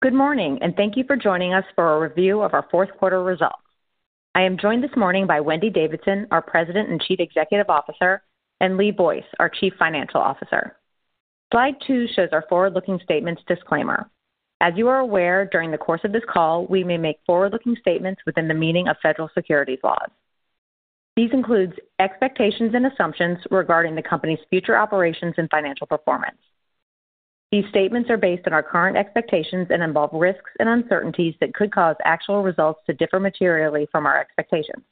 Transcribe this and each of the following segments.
Good morning, and thank you for joining us for our review of our fourth quarter results. I am joined this morning by Wendy Davidson, our President and Chief Executive Officer, and Lee Boyce, our Chief Financial Officer. Slide two shows our forward-looking statements disclaimer. As you are aware, during the course of this call, we may make forward-looking statements within the meaning of federal securities laws. These include expectations and assumptions regarding the company's future operations and financial performance. These statements are based on our current expectations and involve risks and uncertainties that could cause actual results to differ materially from our expectations.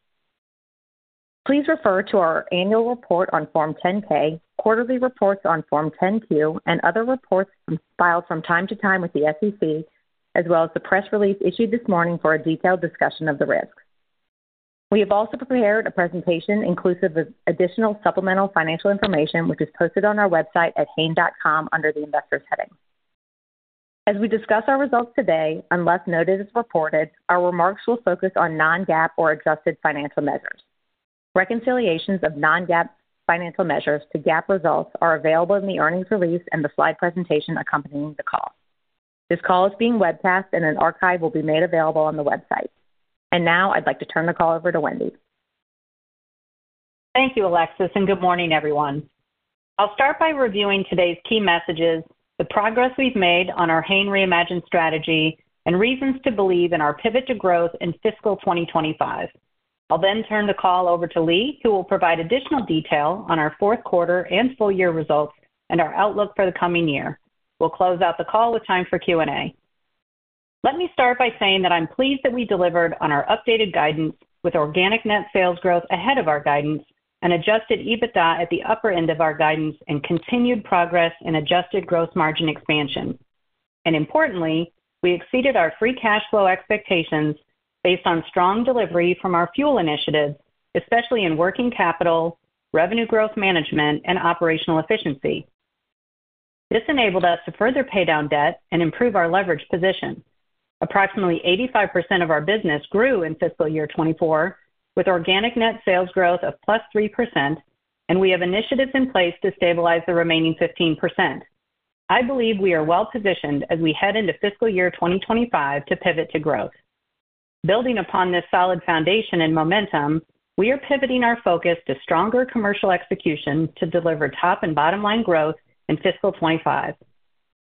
Please refer to our annual report on Form 10-K, quarterly reports on Form 10-Q, and other reports filed from time to time with the SEC, as well as the press release issued this morning for a detailed discussion of the risks. We have also prepared a presentation inclusive of additional supplemental financial information, which is posted on our website at hain.com under the Investors heading. As we discuss our results today, unless noted as reported, our remarks will focus on non-GAAP or adjusted financial measures. Reconciliations of non-GAAP financial measures to GAAP results are available in the earnings release and the slide presentation accompanying the call. This call is being webcast, and an archive will be made available on the website, and now I'd like to turn the call over to Wendy. Thank you, Alexis, and good morning, everyone. I'll start by reviewing today's key messages, the progress we've made on our Hain Reimagined strategy, and reasons to believe in our pivot to growth in fiscal 2025. I'll then turn the call over to Lee, who will provide additional detail on our fourth quarter and full year results and our outlook for the coming year. We'll close out the call with time for Q&A. Let me start by saying that I'm pleased that we delivered on our updated guidance with organic net sales growth ahead of our guidance and adjusted EBITDA at the upper end of our guidance and continued progress in adjusted gross margin expansion, and importantly, we exceeded our free cash flow expectations based on strong delivery from our fuel initiatives, especially in working capital, revenue growth management, and operational efficiency. This enabled us to further pay down debt and improve our leverage position. Approximately 85% of our business grew in fiscal year 2024, with organic net sales growth of +3%, and we have initiatives in place to stabilize the remaining 15%. I believe we are well positioned as we head into fiscal year 2025 to pivot to growth. Building upon this solid foundation and momentum, we are pivoting our focus to stronger commercial execution to deliver top and bottom line growth in fiscal 2025.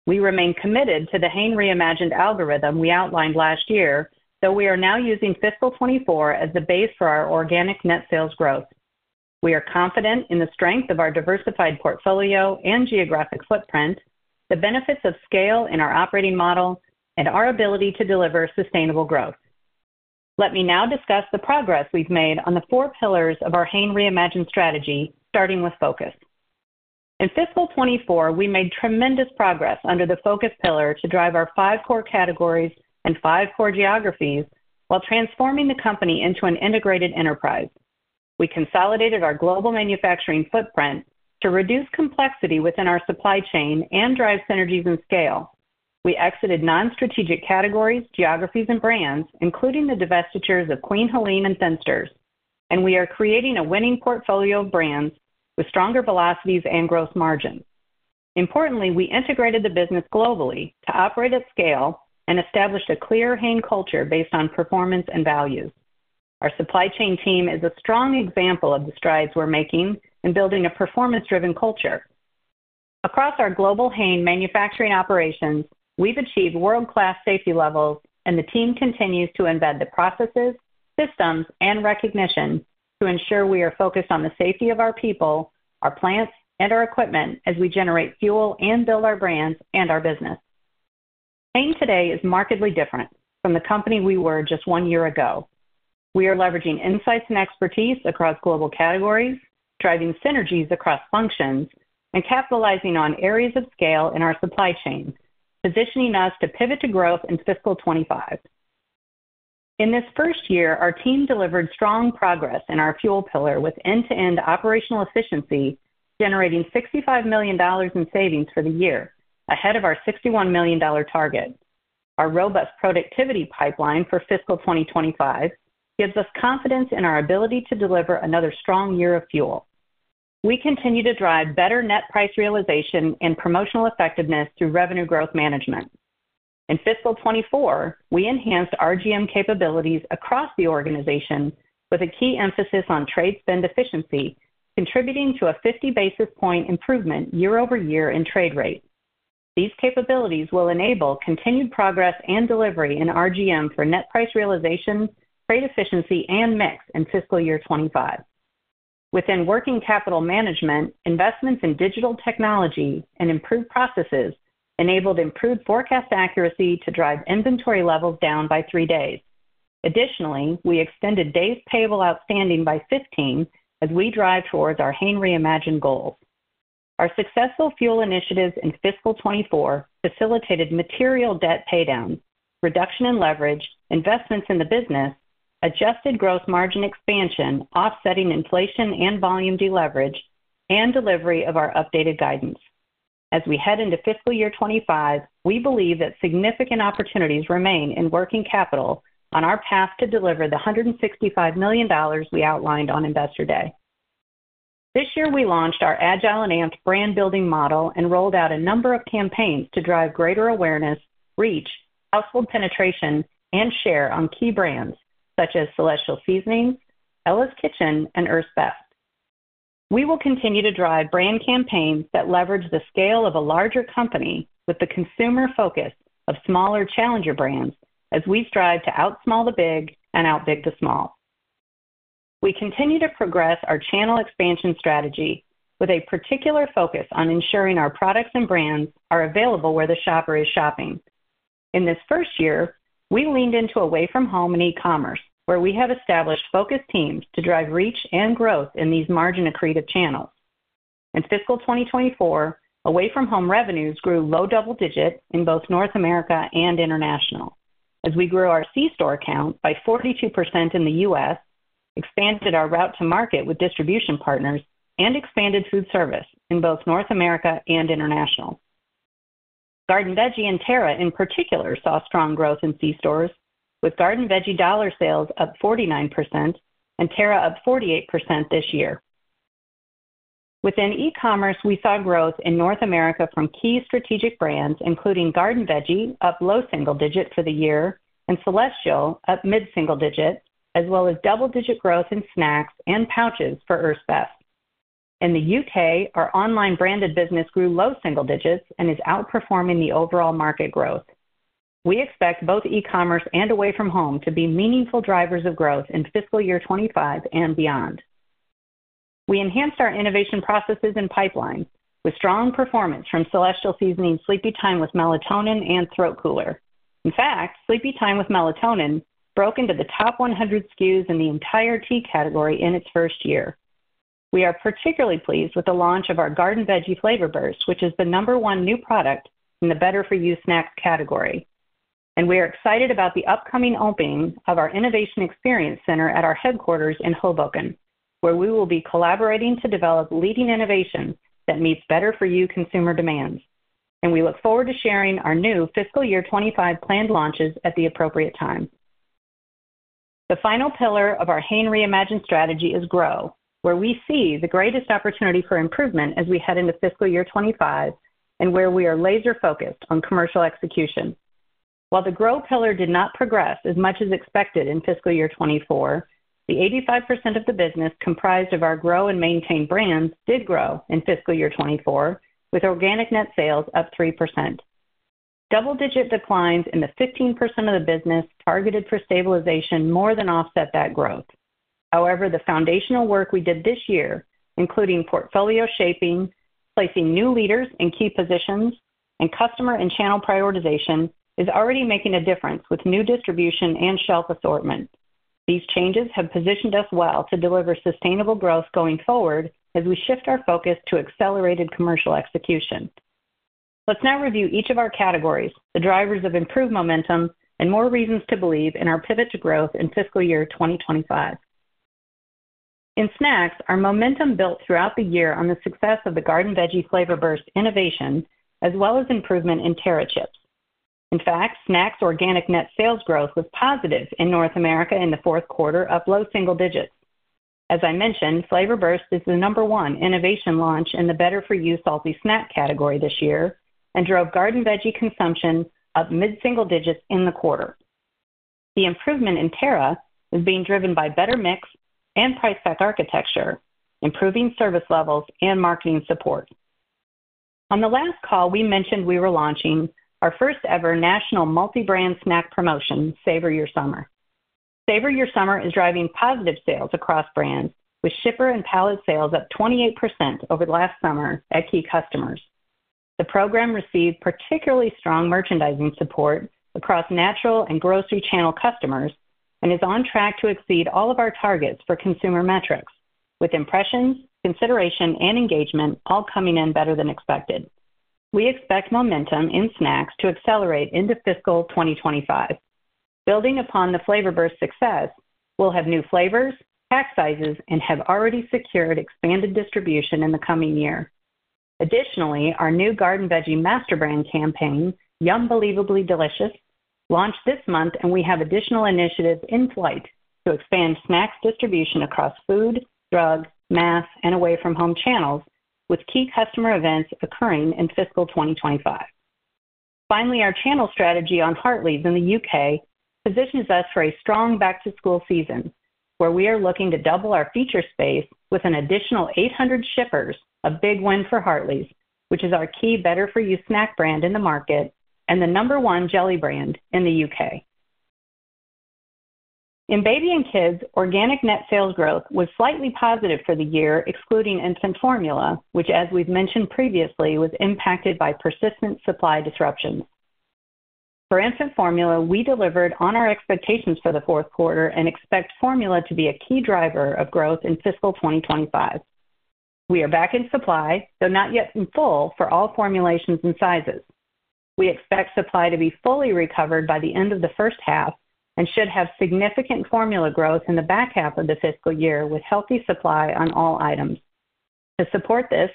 We remain committed to the Hain Reimagined algorithm we outlined last year, though we are now using fiscal 2024 as the base for our organic net sales growth. We are confident in the strength of our diversified portfolio and geographic footprint, the benefits of scale in our operating model, and our ability to deliver sustainable growth. Let me now discuss the progress we've made on the four pillars of our Hain Reimagined strategy, starting with focus. In fiscal 2024, we made tremendous progress under the focus pillar to drive our five core categories and five core geographies while transforming the company into an integrated enterprise. We consolidated our global manufacturing footprint to reduce complexity within our supply chain and drive synergies and scale. We exited non-strategic categories, geographies, and brands, including the divestitures of Queen Helene and Thinsters, and we are creating a winning portfolio of brands with stronger velocities and growth margins. Importantly, we integrated the business globally to operate at scale and established a clear Hain culture based on performance and value. Our supply chain team is a strong example of the strides we're making in building a performance-driven culture. Across our global Hain manufacturing operations, we've achieved world-class safety levels, and the team continues to embed the processes, systems, and recognition to ensure we are focused on the safety of our people, our plants, and our equipment as we generate fuel and build our brands and our business. Hain today is markedly different from the company we were just one year ago. We are leveraging insights and expertise across global categories, driving synergies across functions, and capitalizing on areas of scale in our supply chain, positioning us to pivot to growth in fiscal 2025. In this first year, our team delivered strong progress in our fuel pillar, with end-to-end operational efficiency, generating $65 million in savings for the year, ahead of our $61 million target. Our robust productivity pipeline for fiscal 2025 gives us confidence in our ability to deliver another strong year of fuel. We continue to drive better net price realization and promotional effectiveness through revenue growth management. In fiscal 2024, we enhanced RGM capabilities across the organization with a key emphasis on trade spend efficiency, contributing to a 50 basis point improvement year-over-year in trade rate. These capabilities will enable continued progress and delivery in RGM for net price realization, trade efficiency, and mix in fiscal year 2025. Within working capital management, investments in digital technology and improved processes enabled improved forecast accuracy to drive inventory levels down by three days. Additionally, we extended days payable outstanding by 15 as we drive towards our Hain Reimagined goals. Our successful fuel initiatives in fiscal 2024 facilitated material debt paydown, reduction in leverage, investments in the business, adjusted gross margin expansion, offsetting inflation and volume deleverage, and delivery of our updated guidance. As we head into fiscal year 2025, we believe that significant opportunities remain in working capital on our path to deliver the $165 million we outlined on Investor Day. This year, we launched our agile and amped brand building model and rolled out a number of campaigns to drive greater awareness, reach, household penetration, and share on key brands such as Celestial Seasonings, Ella's Kitchen, and Earth's Best. We will continue to drive brand campaigns that leverage the scale of a larger company with the consumer focus of smaller challenger brands as we strive to out small the big and out big the small. We continue to progress our channel expansion strategy with a particular focus on ensuring our products and brands are available where the shopper is shopping. In this first year, we leaned into Away from Home and e-commerce, where we have established focused teams to drive reach and growth in these margin-accretive channels. In fiscal 2024, Away from Home revenues grew low double digits in both North America and International, as we grew our C-store count by 42% in the U.S., expanded our route to market with distribution partners, and expanded food service in both North America and International. Garden Veggie and Terra, in particular, saw strong growth in C-stores, with Garden Veggie dollar sales up 49% and Terra up 48% this year. Within e-commerce, we saw growth in North America from key strategic brands, including Garden Veggie, up low single digits for the year, and Celestial, up mid-single digits, as well as double-digit growth in snacks and pouches for Earth's Best. In the U.K., our online branded business grew low single digits and is outperforming the overall market growth. We expect both e-commerce and Away from Home to be meaningful drivers of growth in fiscal year 2025 and beyond. We enhanced our innovation processes and pipeline with strong performance from Celestial Seasonings Sleepytime with melatonin and Throat Cooler. In fact, Sleepytime with melatonin broke into the top 100 SKUs in the entire tea category in its first year. We are particularly pleased with the launch of our Garden Veggie Flavor Burst, which is the number one new product in the Better-for-You Snacks category. And we are excited about the upcoming opening of our Innovation Experience Center at our headquarters in Hoboken, where we will be collaborating to develop leading innovation that meets Better-for-You consumer demands. We look forward to sharing our new fiscal year 2025 planned launches at the appropriate time. The final pillar of our Hain Reimagined strategy is grow, where we see the greatest opportunity for improvement as we head into fiscal year 2025 and where we are laser-focused on commercial execution. While the grow pillar did not progress as much as expected in fiscal year 2024, the 85% of the business comprised of our Grow and Maintain brands did grow in fiscal year 2024, with organic net sales up 3%. Double-digit declines in the 15% of the business targeted for stabilization more than offset that growth. However, the foundational work we did this year, including portfolio shaping, placing new leaders in key positions, and customer and channel prioritization, is already making a difference with new distribution and shelf assortment. These changes have positioned us well to deliver sustainable growth going forward as we shift our focus to accelerated commercial execution. Let's now review each of our categories, the drivers of improved momentum, and more reasons to believe in our pivot to growth in fiscal year 2025. In snacks, our momentum built throughout the year on the success of the Garden Veggie Flavor Burst innovation, as well as improvement in Terra Chips. In fact, snacks organic net sales growth was positive in North America in the fourth quarter, up low single digits. As I mentioned, Flavor Burst is the number one innovation launch in the Better-for-You salty snack category this year and drove Garden Veggie consumption up mid-single digits in the quarter. The improvement in Terra is being driven by better mix and price-pack architecture, improving service levels and marketing support. On the last call, we mentioned we were launching our first-ever national multi-brand snack promotion, Savor Your Summer. Savor Your Summer is driving positive sales across brands, with shipper and pallet sales up 28% over last summer at key customers. The program received particularly strong merchandising support across natural and grocery channel customers and is on track to exceed all of our targets for consumer metrics, with impressions, consideration, and engagement all coming in better than expected. We expect momentum in snacks to accelerate into fiscal 2025. Building upon the Flavor Burst success, we'll have new flavors, pack sizes, and have already secured expanded distribution in the coming year. Additionally, our new Garden Veggie master brand campaign, YUMbelievably Delicious, launched this month, and we have additional initiatives in flight to expand snacks distribution across food, drug, mass, and away-from-home channels, with key customer events occurring in fiscal 2025. Finally, our channel strategy on Hartley's in the U.K. positions us for a strong back-to-school season, where we are looking to double our feature space with an additional 800 shippers, a big win for Hartley's, which is our key Better-for-You snack brand in the market and the number one jelly brand in the U.K. In Baby and Kids, organic net sales growth was slightly positive for the year, excluding infant formula, which, as we've mentioned previously, was impacted by persistent supply disruptions. For infant formula, we delivered on our expectations for the fourth quarter and expect formula to be a key driver of growth in fiscal 2025. We are back in supply, though not yet in full, for all formulations and sizes. We expect supply to be fully recovered by the end of the first half and should have significant formula growth in the back half of the fiscal year, with healthy supply on all items. To support this,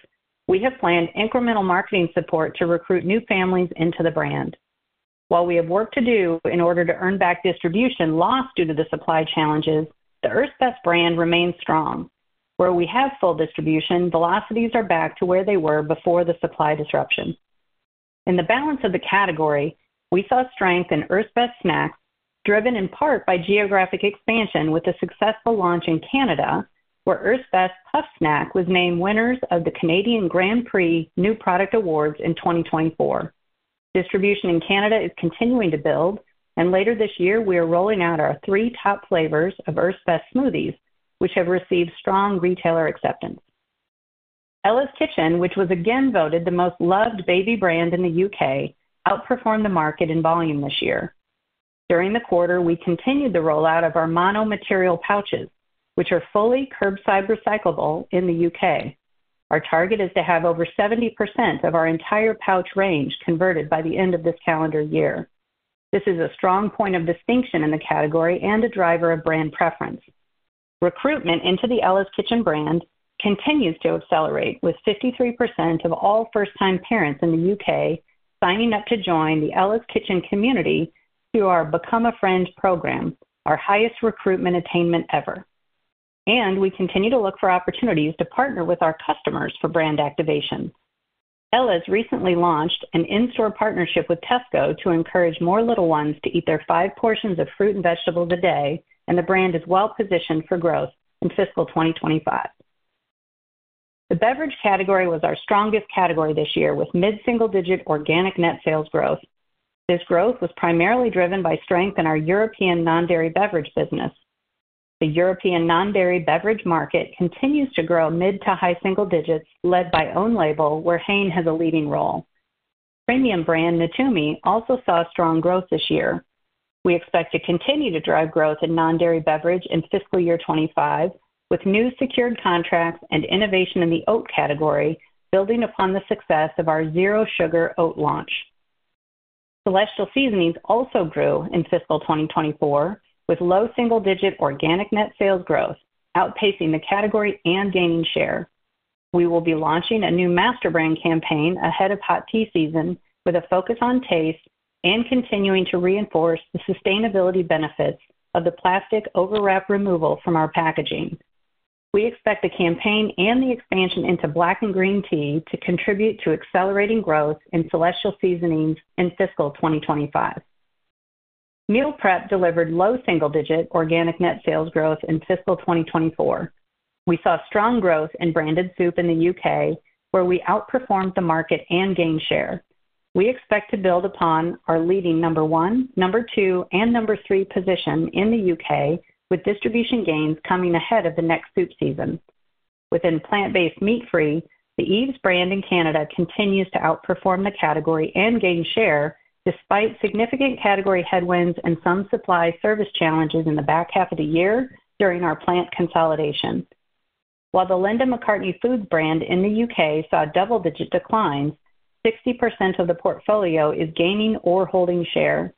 we have planned incremental marketing support to recruit new families into the brand. While we have work to do in order to earn back distribution lost due to the supply challenges, the Earth's Best brand remains strong. Where we have full distribution, velocities are back to where they were before the supply disruption. In the balance of the category, we saw strength in Earth's Best Snacks, driven in part by geographic expansion with a successful launch in Canada, where Earth's Best Puff snack was named winners of the Canadian Grand Prix New Product Awards in 2024. Distribution in Canada is continuing to build, and later this year, we are rolling out our three top flavors of Earth's Best Smoothies, which have received strong retailer acceptance. Ella's Kitchen, which was again voted the most loved baby brand in the U.K., outperformed the market in volume this year. During the quarter, we continued the rollout of our mono material pouches, which are fully curbside recyclable in the U.K. Our target is to have over 70% of our entire pouch range converted by the end of this calendar year. This is a strong point of distinction in the category and a driver of brand preference. Recruitment into the Ella's Kitchen brand continues to accelerate, with 53% of all first-time parents in the U.K. signing up to join the Ella's Kitchen community through our Become a Friend program, our highest recruitment attainment ever. We continue to look for opportunities to partner with our customers for brand activation. Ella's recently launched an in-store partnership with Tesco to encourage more little ones to eat their five portions of fruit and vegetables a day, and the brand is well positioned for growth in fiscal 2025. The beverage category was our strongest category this year, with mid-single-digit organic net sales growth. This growth was primarily driven by strength in our European non-dairy beverage business. The European non-dairy beverage market continues to grow mid to high single digits, led by own label, where Hain has a leading role. Premium brand, Natumi, also saw strong growth this year. We expect to continue to drive growth in non-dairy beverage in fiscal year 2025, with new secured contracts and innovation in the oat category, building upon the success of our zero sugar oat launch. Celestial Seasonings also grew in fiscal 2024, with low single-digit organic net sales growth, outpacing the category and gaining share. We will be launching a new master brand campaign ahead of hot tea season with a focus on taste and continuing to reinforce the sustainability benefits of the plastic overwrap removal from our packaging. We expect the campaign and the expansion into black and green tea to contribute to accelerating growth in Celestial Seasonings in fiscal 2025. Meal prep delivered low single-digit organic net sales growth in fiscal 2024. We saw strong growth in branded soup in the U.K., where we outperformed the market and gained share. We expect to build upon our leading number one, number two, and number three position in the U.K., with distribution gains coming ahead of the next soup season. Within plant-based meat-free, the Yves brand in Canada continues to outperform the category and gain share, despite significant category headwinds and some supply service challenges in the back half of the year during our plant consolidation. While the Linda McCartney Foods brand in the U.K. saw double-digit declines, 60% of the portfolio is gaining or holding share.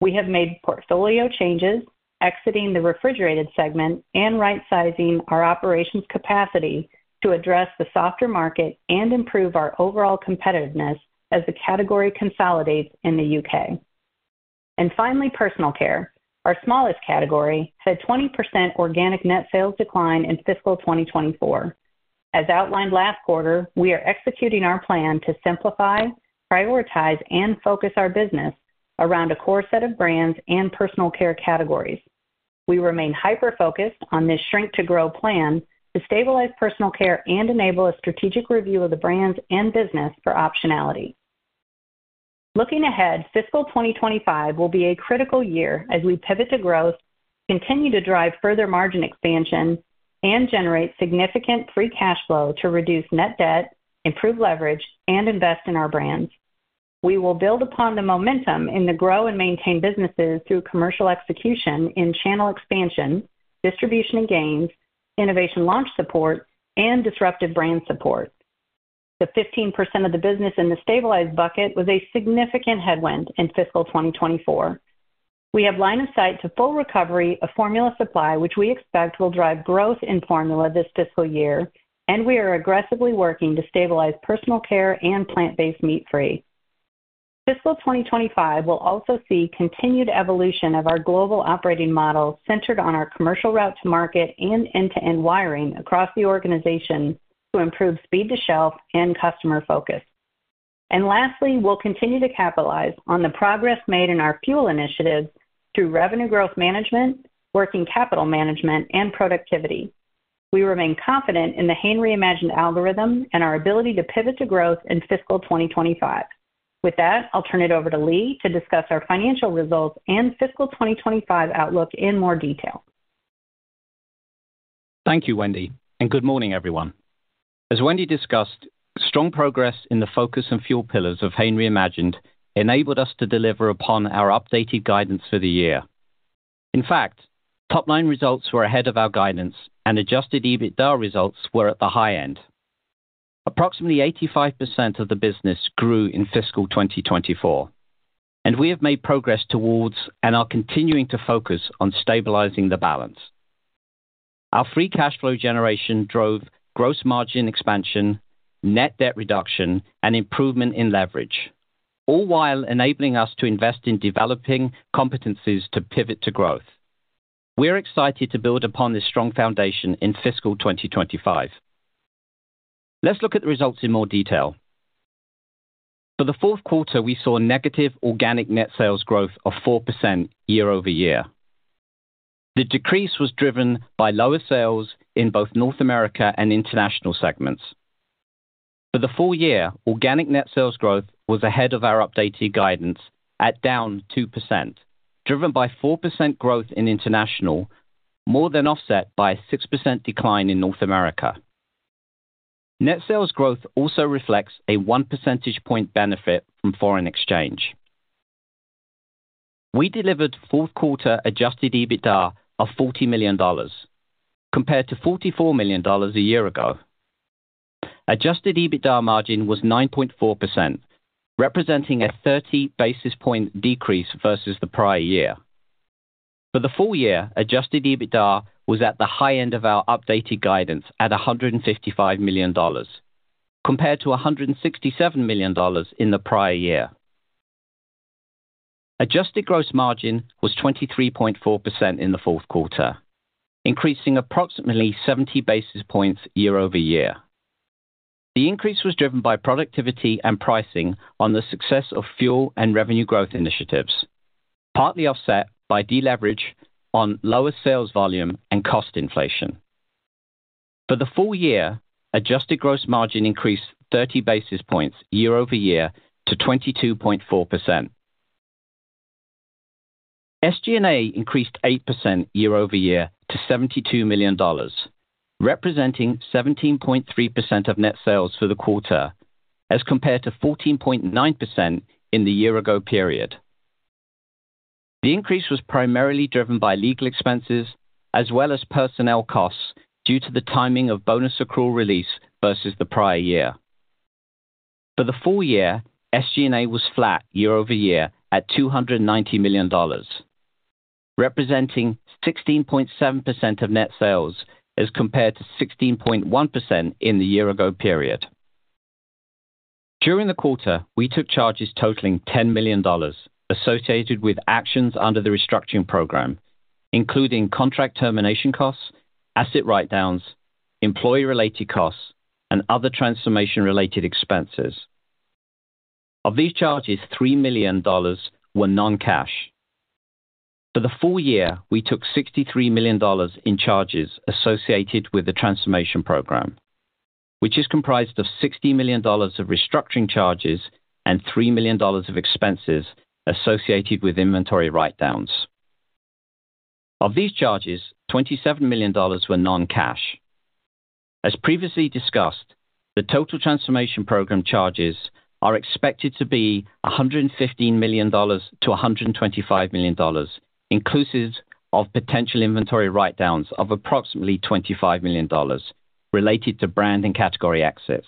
We have made portfolio changes, exiting the refrigerated segment and right-sizing our operations capacity to address the softer market and improve our overall competitiveness as the category consolidates in the U.K. And finally, personal care, our smallest category, had 20% organic net sales decline in fiscal 2024. As outlined last quarter, we are executing our plan to simplify, prioritize, and focus our business around a core set of brands and personal care categories. We remain hyper-focused on this shrink to grow plan to stabilize personal care and enable a strategic review of the brands and business for optionality. Looking ahead, fiscal 2025 will be a critical year as we pivot to growth, continue to drive further margin expansion, and generate significant free cash flow to reduce net debt, improve leverage, and invest in our brands. We will build upon the momentum in the grow and maintain businesses through commercial execution in channel expansion, distribution and gains, innovation launch support, and disruptive brand support. The 15% of the business in the stabilized bucket was a significant headwind in fiscal 2024. We have line of sight to full recovery of formula supply, which we expect will drive growth in formula this fiscal year, and we are aggressively working to stabilize personal care and plant-based meat-free. Fiscal 2025 will also see continued evolution of our global operating model, centered on our commercial route to market and end-to-end wiring across the organization to improve speed to shelf and customer focus. And lastly, we'll continue to capitalize on the progress made in our fuel initiatives through revenue growth management, working capital management, and productivity. We remain confident in the Hain Reimagined algorithm and our ability to pivot to growth in fiscal 2025. With that, I'll turn it over to Lee to discuss our financial results and fiscal 2025 outlook in more detail. Thank you, Wendy, and good morning, everyone. As Wendy discussed, strong progress in the focus and fuel pillars of Hain Reimagined enabled us to deliver upon our updated guidance for the year. In fact, top-line results were ahead of our guidance and adjusted EBITDA results were at the high end. Approximately 85% of the business grew in fiscal 2024, and we have made progress towards, and are continuing to focus on stabilizing the balance. Our free cash flow generation drove gross margin expansion, net debt reduction, and improvement in leverage, all while enabling us to invest in developing competencies to pivot to growth. We're excited to build upon this strong foundation in fiscal 2025. Let's look at the results in more detail. For the fourth quarter, we saw a negative organic net sales growth of 4% year-over-year. The decrease was driven by lower sales in both North America and international segments. For the full year, organic net sales growth was ahead of our updated guidance at down 2%, driven by 4% growth in international, more than offset by a 6% decline in North America. Net sales growth also reflects a one percentage point benefit from foreign exchange. We delivered fourth quarter adjusted EBITDA of $40 million, compared to $44 million a year ago. Adjusted EBITDA margin was 9.4%, representing a thirty basis point decrease versus the prior year. For the full year, adjusted EBITDA was at the high end of our updated guidance at $155 million, compared to $167 million in the prior year. Adjusted gross margin was 23.4% in the fourth quarter, increasing approximately 70 basis points year-over-year. The increase was driven by productivity and pricing on the success of fuel and revenue growth initiatives, partly offset by deleverage on lower sales volume and cost inflation. For the full year, adjusted gross margin increased 30 basis points year-over-year to 22.4%. SG&A increased 8% year-over-year to $72 million, representing 17.3% of net sales for the quarter, as compared to 14.9% in the year ago period. The increase was primarily driven by legal expenses as well as personnel costs, due to the timing of bonus accrual release versus the prior year. For the full year, SG&A was flat year-over-year, at $290 million, representing 16.7% of net sales, as compared to 16.1% in the year ago period. During the quarter, we took charges totaling $10 million associated with actions under the restructuring program, including contract termination costs, asset write-downs, employee-related costs, and other transformation-related expenses. Of these charges, $3 million were non-cash. For the full year, we took $63 million in charges associated with the transformation program, which is comprised of $60 million of restructuring charges and $3 million of expenses associated with inventory write-downs. Of these charges, $27 million were non-cash. As previously discussed, the total transformation program charges are expected to be $115 million-$125 million, inclusive of potential inventory write-downs of approximately $25 million related to brand and category exits.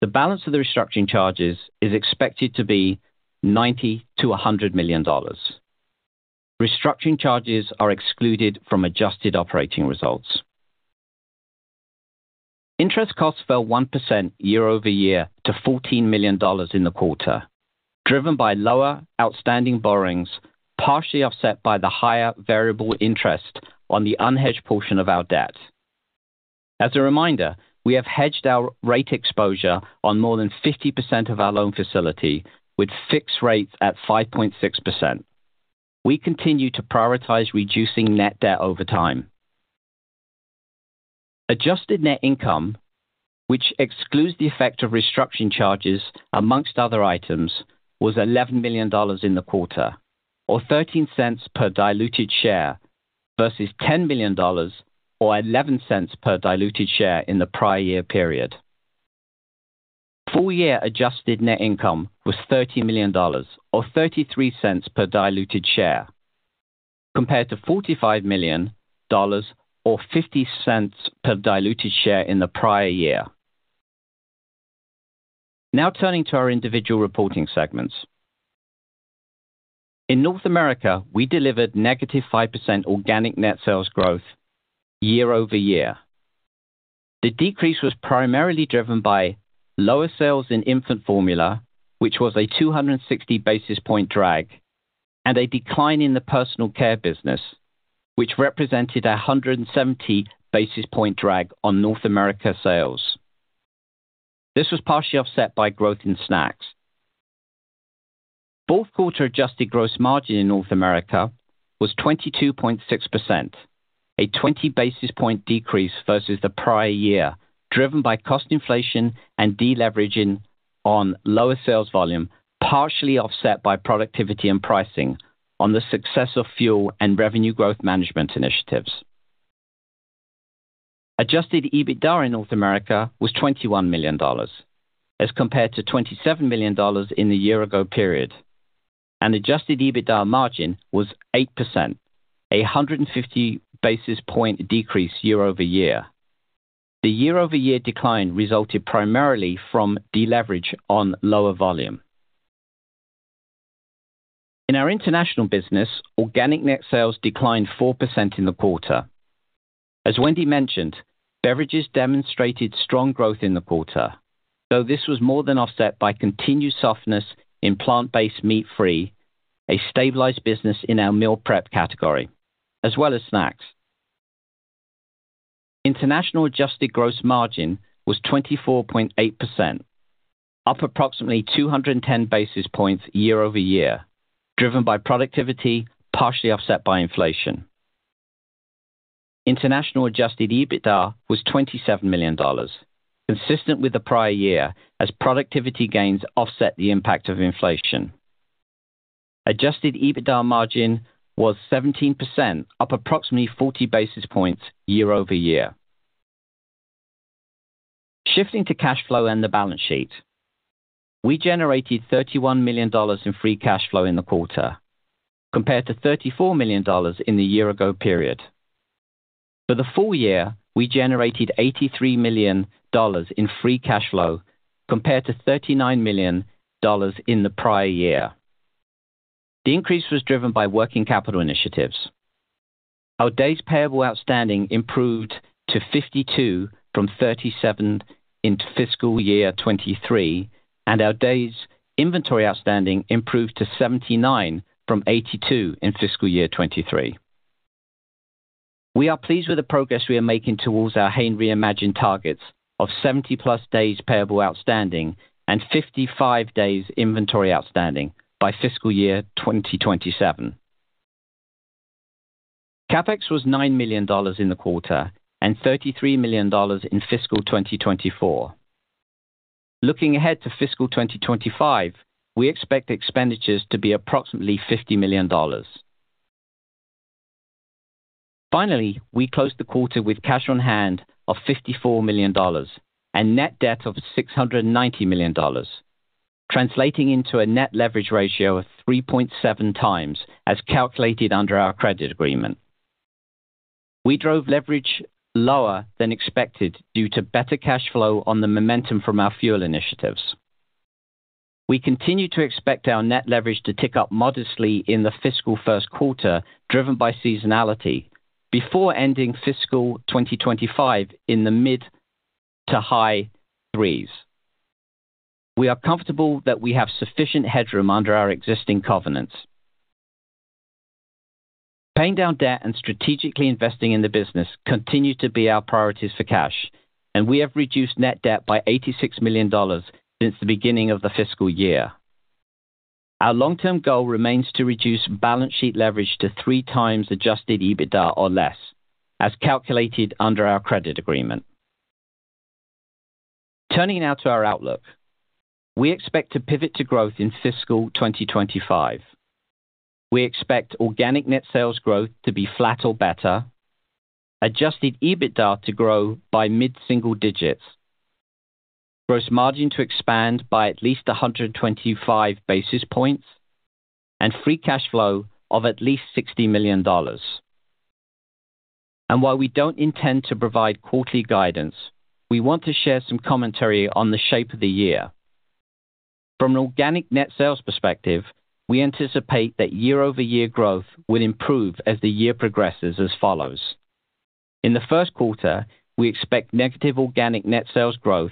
The balance of the restructuring charges is expected to be $90 million-$100 million. Restructuring charges are excluded from adjusted operating results. Interest costs fell 1% year-over-year to $14 million in the quarter, driven by lower outstanding borrowings, partially offset by the higher variable interest on the unhedged portion of our debt. As a reminder, we have hedged our rate exposure on more than 50% of our loan facility with fixed rates at 5.6%. We continue to prioritize reducing net debt over time. Adjusted net income, which excludes the effect of restructuring charges, among other items, was $11 million in the quarter, or $0.13 per diluted share, versus $10 million or $0.11 per diluted share in the prior year period. Full year adjusted net income was $30 million, or $0.33 per diluted share, compared to $45 million or $0.50 per diluted share in the prior year. Now turning to our individual reporting segments. In North America, we delivered -5% organic net sales growth year-over-year. The decrease was primarily driven by lower sales in infant formula, which was a 260 basis points drag, and a decline in the personal care business, which represented a 170 basis points drag on North America sales. This was partially offset by growth in snacks. Fourth quarter adjusted gross margin in North America was 22.6%, a 20 basis point decrease versus the prior year, driven by cost inflation and deleveraging on lower sales volume, partially offset by productivity and pricing on the success of fuel and revenue growth management initiatives. Adjusted EBITDA in North America was $21 million, as compared to $27 million in the year ago period, and adjusted EBITDA margin was 8%, a 150 basis point decrease year-over-year. The year-over-year decline resulted primarily from deleverage on lower volume. In our international business, organic net sales declined 4% in the quarter. As Wendy mentioned, beverages demonstrated strong growth in the quarter, though this was more than offset by continued softness in plant-based meat-free, a stabilized business in our meal prep category, as well as snacks. International adjusted gross margin was 24.8%, up approximately 210 basis points year-over-year, driven by productivity, partially offset by inflation. International adjusted EBITDA was $27 million, consistent with the prior year as productivity gains offset the impact of inflation. Adjusted EBITDA margin was 17%, up approximately 40 basis points year-over-year. Shifting to cash flow and the balance sheet. We generated $31 million in free cash flow in the quarter, compared to $34 million in the year ago period. For the full year, we generated $83 million in free cash flow, compared to $39 million in the prior year. The increase was driven by working capital initiatives. Our days payable outstanding improved to 52 from 37 in fiscal year 2023, and our days inventory outstanding improved to 79 from 82 in fiscal year 2023. We are pleased with the progress we are making towards our Hain Reimagined targets of 70+ days payable outstanding and 55 days inventory outstanding by fiscal year 2027. CapEx was $9 million in the quarter and $33 million in fiscal 2024. Looking ahead to fiscal 2025, we expect expenditures to be approximately $50 million. Finally, we closed the quarter with cash on hand of $54 million and net debt of $690 million, translating into a net leverage ratio of 3.7x, as calculated under our credit agreement. We drove leverage lower than expected due to better cash flow on the momentum from our fuel initiatives. We continue to expect our net leverage to tick up modestly in the fiscal first quarter, driven by seasonality, before ending fiscal 2025 in the mid- to high threes. We are comfortable that we have sufficient headroom under our existing covenants. Paying down debt and strategically investing in the business continue to be our priorities for cash, and we have reduced net debt by $86 million since the beginning of the fiscal year. Our long-term goal remains to reduce balance sheet leverage to 3x adjusted EBITDA or less, as calculated under our credit agreement. Turning now to our outlook. We expect to pivot to growth in fiscal 2025. We expect organic net sales growth to be flat or better, adjusted EBITDA to grow by mid-single digits, gross margin to expand by at least 125 basis points, and free cash flow of at least $60 million, and while we don't intend to provide quarterly guidance, we want to share some commentary on the shape of the year. From an organic net sales perspective, we anticipate that year-over-year growth will improve as the year progresses as follows: In the first quarter, we expect negative organic net sales growth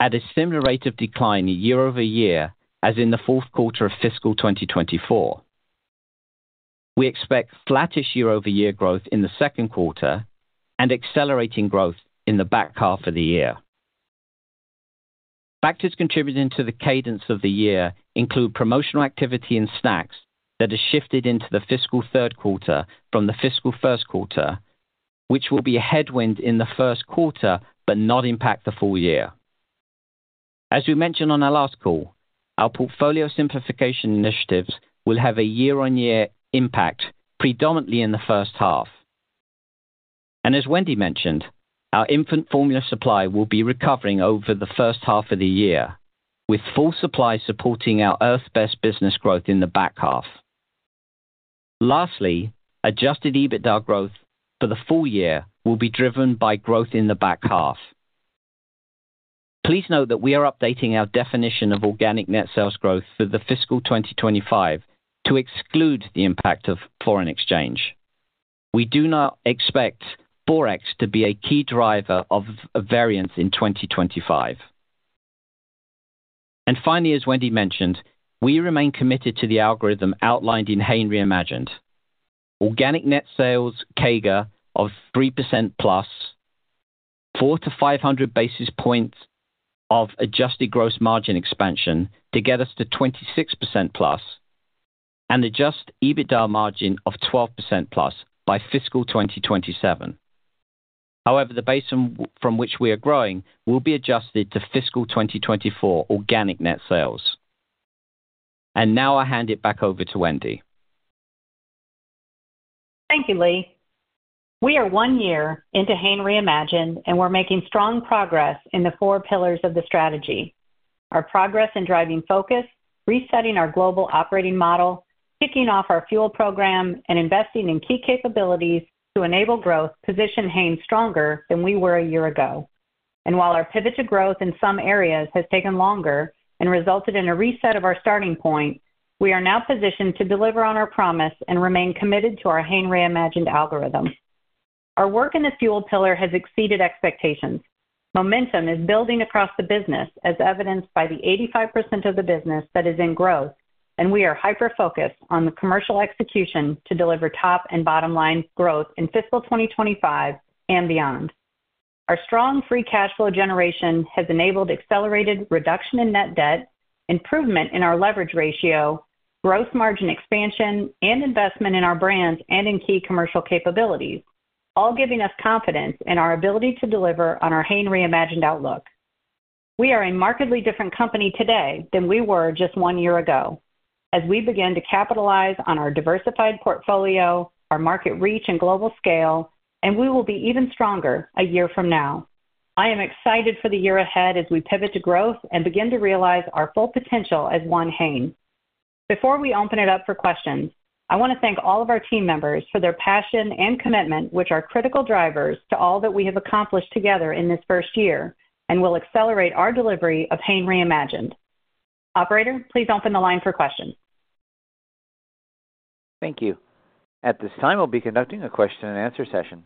at a similar rate of decline year-over-year as in the fourth quarter of fiscal 2024. We expect flattish year-over-year growth in the second quarter and accelerating growth in the back half of the year. Factors contributing to the cadence of the year include promotional activity and snacks that have shifted into the fiscal third quarter from the fiscal first quarter, which will be a headwind in the first quarter, but not impact the full year. As we mentioned on our last call, our portfolio simplification initiatives will have a year-on-year impact, predominantly in the first half. As Wendy mentioned, our infant formula supply will be recovering over the first half of the year, with full supply supporting our Earth's Best business growth in the back half. Lastly, adjusted EBITDA growth for the full year will be driven by growth in the back half. Please note that we are updating our definition of organic net sales growth for the fiscal 2025 to exclude the impact of foreign exchange. We do not expect Forex to be a key driver of a variance in 2025. And finally, as Wendy mentioned, we remain committed to the algorithm outlined in Hain Reimagined. Organic net sales CAGR of 3%+, 400-500 basis points of adjusted gross margin expansion to get us to 26% plus, and adjusted EBITDA margin of 12% plus by fiscal 2027. However, the base from which we are growing will be adjusted to fiscal 2024 organic net sales. And now I'll hand it back over to Wendy. Thank you, Lee. We are one year into Hain Reimagined, and we're making strong progress in the four pillars of the strategy. Our progress in driving focus, resetting our global operating model, kicking off our fuel program, and investing in key capabilities to enable growth position Hain stronger than we were a year ago. While our pivot to growth in some areas has taken longer and resulted in a reset of our starting point, we are now positioned to deliver on our promise and remain committed to our Hain Reimagined algorithm. Our work in the fuel pillar has exceeded expectations. Momentum is building across the business, as evidenced by the 85% of the business that is in growth, and we are hyper-focused on the commercial execution to deliver top and bottom line growth in fiscal 2025 and beyond. Our strong free cash flow generation has enabled accelerated reduction in net debt, improvement in our leverage ratio, growth margin expansion, and investment in our brands and in key commercial capabilities, all giving us confidence in our ability to deliver on our Hain Reimagined outlook. We are a markedly different company today than we were just one year ago, as we begin to capitalize on our diversified portfolio, our market reach and global scale, and we will be even stronger a year from now. I am excited for the year ahead as we pivot to growth and begin to realize our full potential as one Hain. Before we open it up for questions, I want to thank all of our team members for their passion and commitment, which are critical drivers to all that we have accomplished together in this first year and will accelerate our delivery of Hain Reimagined. Operator, please open the line for questions. Thank you. At this time, we'll be conducting a question-and-answer session.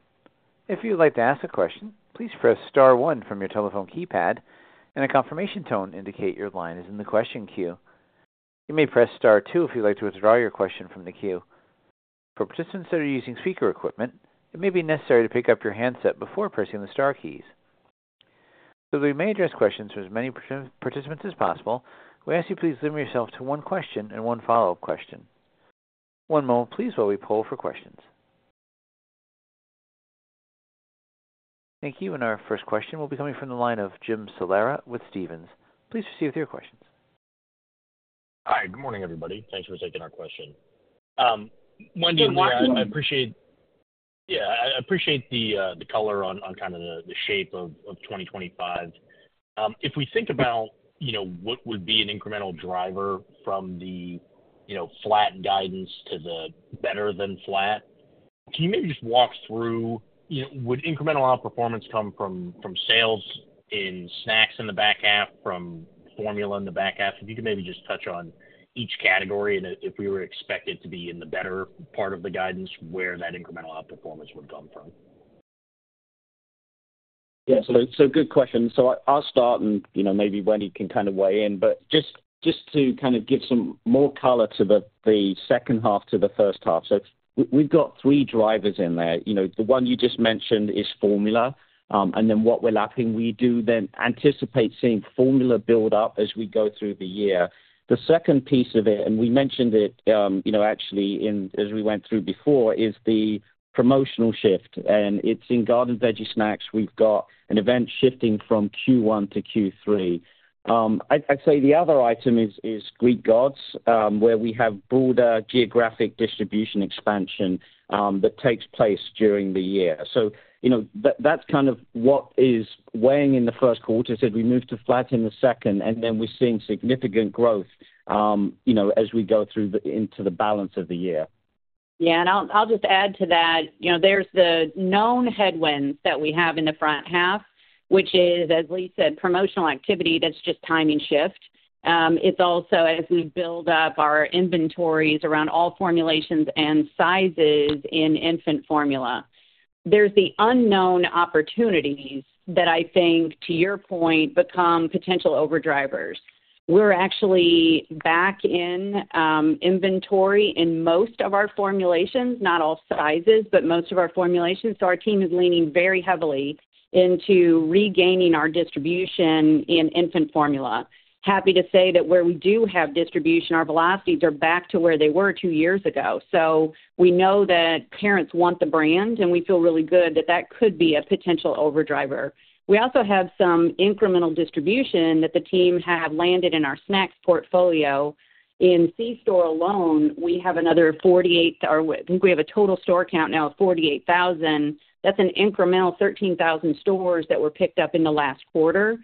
If you'd like to ask a question, please press star one from your telephone keypad, and a confirmation tone indicate your line is in the question queue. You may press star two if you'd like to withdraw your question from the queue. For participants that are using speaker equipment, it may be necessary to pick up your handset before pressing the star keys. So we may address questions to as many participants as possible, we ask you please limit yourself to one question and one follow-up question. One moment please, while we poll for questions. Thank you, and our first question will be coming from the line of Jim Salera with Stephens. Please proceed with your questions. Hi, good morning, everybody. Thanks for taking our question. Wendy and Lee, I appreciate the color on kind of the shape of 2025. If we think about, you know, what would be an incremental driver from the, you know, flat guidance to the better-than-flat, can you maybe just walk through, you know, would incremental outperformance come from sales in snacks in the back half, from formula in the back half? If you could maybe just touch on each category and if we were expected to be in the better part of the guidance, where that incremental outperformance would come from? Yeah, so good question. So I'll start and, you know, maybe Wendy can kind of weigh in. But just to kind of give some more color to the second half to the first half. So we've got three drivers in there. You know, the one you just mentioned is formula, and then what we're lapping. We do then anticipate seeing formula build up as we go through the year. The second piece of it, and we mentioned it, you know, actually, in as we went through before, is the promotional shift, and it's in Garden Veggie Snacks we've got an event shifting from Q1 to Q3. I'd say the other item is Greek Gods, where we have broader geographic distribution expansion that takes place during the year. You know, that's kind of what is weighing in the first quarter, as we move to flat in the second, and then we're seeing significant growth, you know, as we go through into the balance of the year. Yeah, and I'll just add to that. You know, there's the known headwinds that we have in the front half, which is, as Lee said, promotional activity. That's just timing shift. It's also as we build up our inventories around all formulations and sizes in infant formula. There's the unknown opportunities that I think, to your point, become potential overdrivers. We're actually back in inventory in most of our formulations, not all sizes, but most of our formulations, so our team is leaning very heavily into regaining our distribution in infant formula. Happy to say that where we do have distribution, our velocities are back to where they were two years ago. So we know that parents want the brand, and we feel really good that that could be a potential overdriver. We also have some incremental distribution that the team have landed in our snacks portfolio. In C-store alone, we have another 48, or I think we have a total store count now of 48,000. That's an incremental 13,000 stores that were picked up in the last quarter,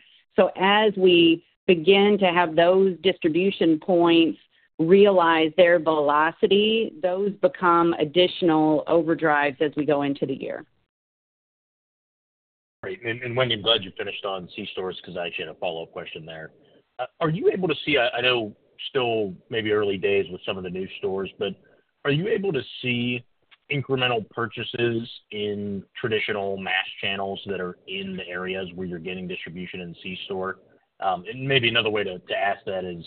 as we begin to have those distribution points realize their velocity, those become additional drivers as we go into the year. Great. And Wendy, I'm glad you finished on C-stores because I actually had a follow-up question there. Are you able to see, I know still maybe early days with some of the new stores, but are you able to see incremental purchases in traditional mass channels that are in the areas where you're getting distribution in C-store? And maybe another way to ask that is,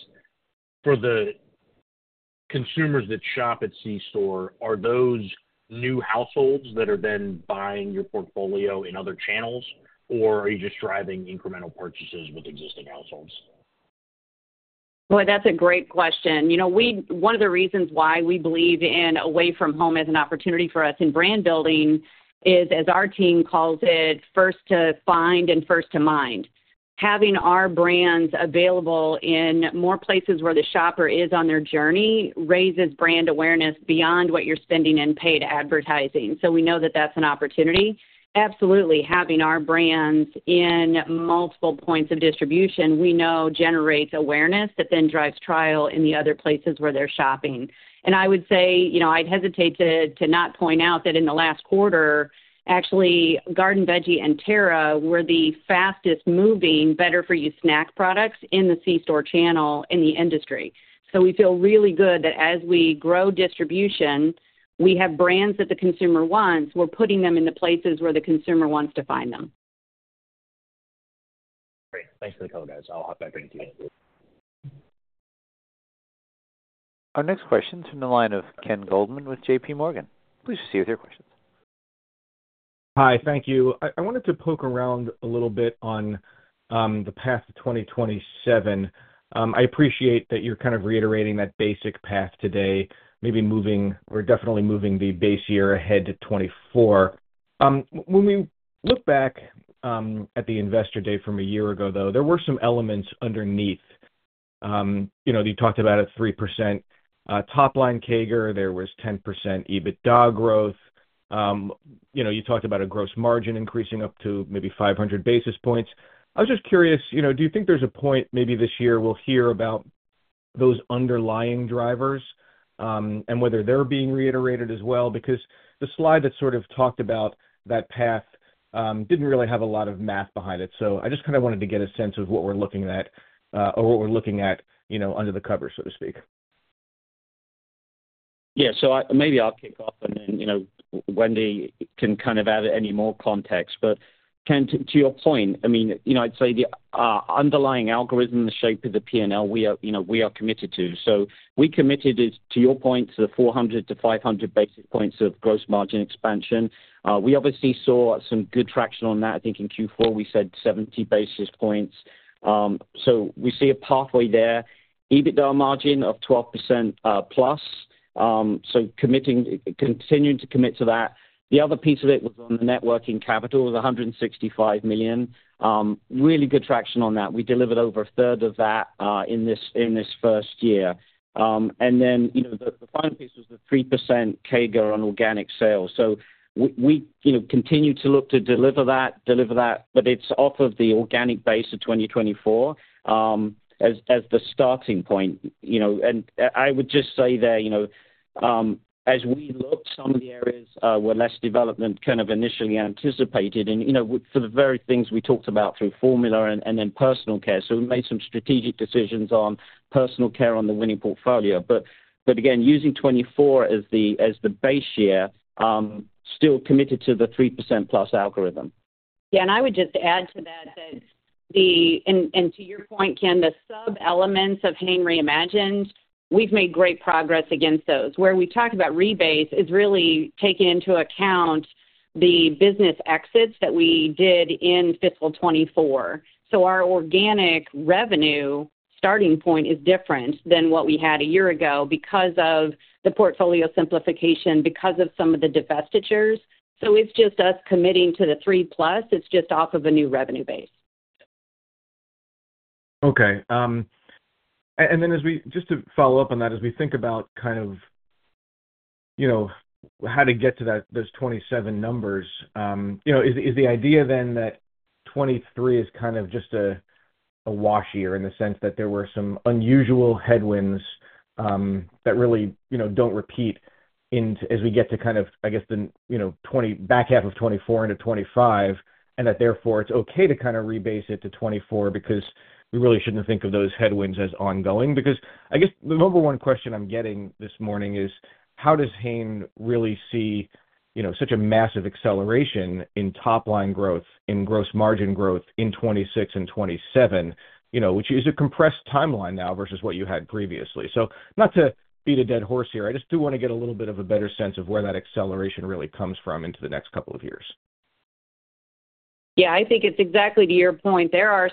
for the consumers that shop at C-store, are those new households that are then buying your portfolio in other channels, or are you just driving incremental purchases with existing households? Boy, that's a great question. You know, we, one of the reasons why we believe in Away from Home as an opportunity for us in brand building is, as our team calls it, first to find and first to mind. Having our brands available in more places where the shopper is on their journey, raises brand awareness beyond what you're spending in paid advertising. So we know that that's an opportunity. Absolutely, having our brands in multiple points of distribution, we know generates awareness that then drives trial in the other places where they're shopping. And I would say, you know, I'd hesitate to not point out that in the last quarter, actually, Garden Veggie and Terra were the fastest moving Better For You snack products in the C-store channel in the industry. So we feel really good that as we grow distribution, we have brands that the consumer wants. We're putting them in the places where the consumer wants to find them. Great. Thanks for the color, guys. I'll hop back in queue. Our next question is from the line of Ken Goldman with JPMorgan. Please proceed with your questions. Hi, thank you. I wanted to poke around a little bit on the path to 2027. I appreciate that you're kind of reiterating that basic path today, maybe moving or definitely moving the base year ahead to 2024. When we look back at the Investor Day from a year ago, though, there were some elements underneath. You know, you talked about a 3% top line CAGR. There was 10% EBITDA growth. You know, you talked about a gross margin increasing up to maybe 500 basis points. I was just curious, you know, do you think there's a point, maybe this year, we'll hear about those underlying drivers, and whether they're being reiterated as well? Because the slide that sort of talked about that path didn't really have a lot of math behind it. So I just kind of wanted to get a sense of what we're looking at, you know, under the covers, so to speak. Yeah. So maybe I'll kick off, and then, you know, Wendy can kind of add any more context. But Ken, to your point, I mean, you know, I'd say the underlying algorithm, the shape of the P&L, we are committed to. So we committed it, to your point, to the 40- to 500 basis points of gross margin expansion. We obviously saw some good traction on that. I think in Q4, we said 70 basis points. So we see a pathway there. EBITDA margin of 12%+, so continuing to commit to that. The other piece of it was on the net working capital, was $165 million. Really good traction on that. We delivered over 1/3 of that, in this first year. And then, you know, the final piece was the 3% CAGR on organic sales. So we continue to look to deliver that, but it's off of the organic base of 2024, as the starting point. You know, and I would just say that, you know, as we look, some of the areas were less development kind of initially anticipated, and you know, for the very things we talked about through formula and then personal care. So we made some strategic decisions on personal care, on the winning portfolio. But again, using 2024 as the base year, still committed to the 3% plus algorithm. Yeah, and I would just add to that, and to your point, Ken, the sub-elements of Hain Reimagined. We've made great progress against those. Where we talked about rebates is really taking into account the business exits that we did in fiscal 2024. So our organic revenue starting point is different than what we had a year ago because of the portfolio simplification, because of some of the divestitures. So it's just us committing to the 3%+. It's just off of a new revenue base. Okay. And then, just to follow up on that, as we think about kind of, you know, how to get to that, those 2027 numbers, you know, is the idea then that 2023 is kind of just a wash year in the sense that there were some unusual headwinds that really, you know, don't repeat as we get to kind of, I guess, you know, the back half of 2024 into 2025, and that therefore it's okay to kind of rebase it to 2024 because we really shouldn't think of those headwinds as ongoing? Because I guess the number one question I'm getting this morning is: how does Hain really see, you know, such a massive acceleration in top line growth, in gross margin growth in 2026 and 2027, you know, which is a compressed timeline now versus what you had previously? So not to beat a dead horse here, I just do want to get a little bit of a better sense of where that acceleration really comes from into the next couple of years. Yeah, I think it's exactly to your point. There are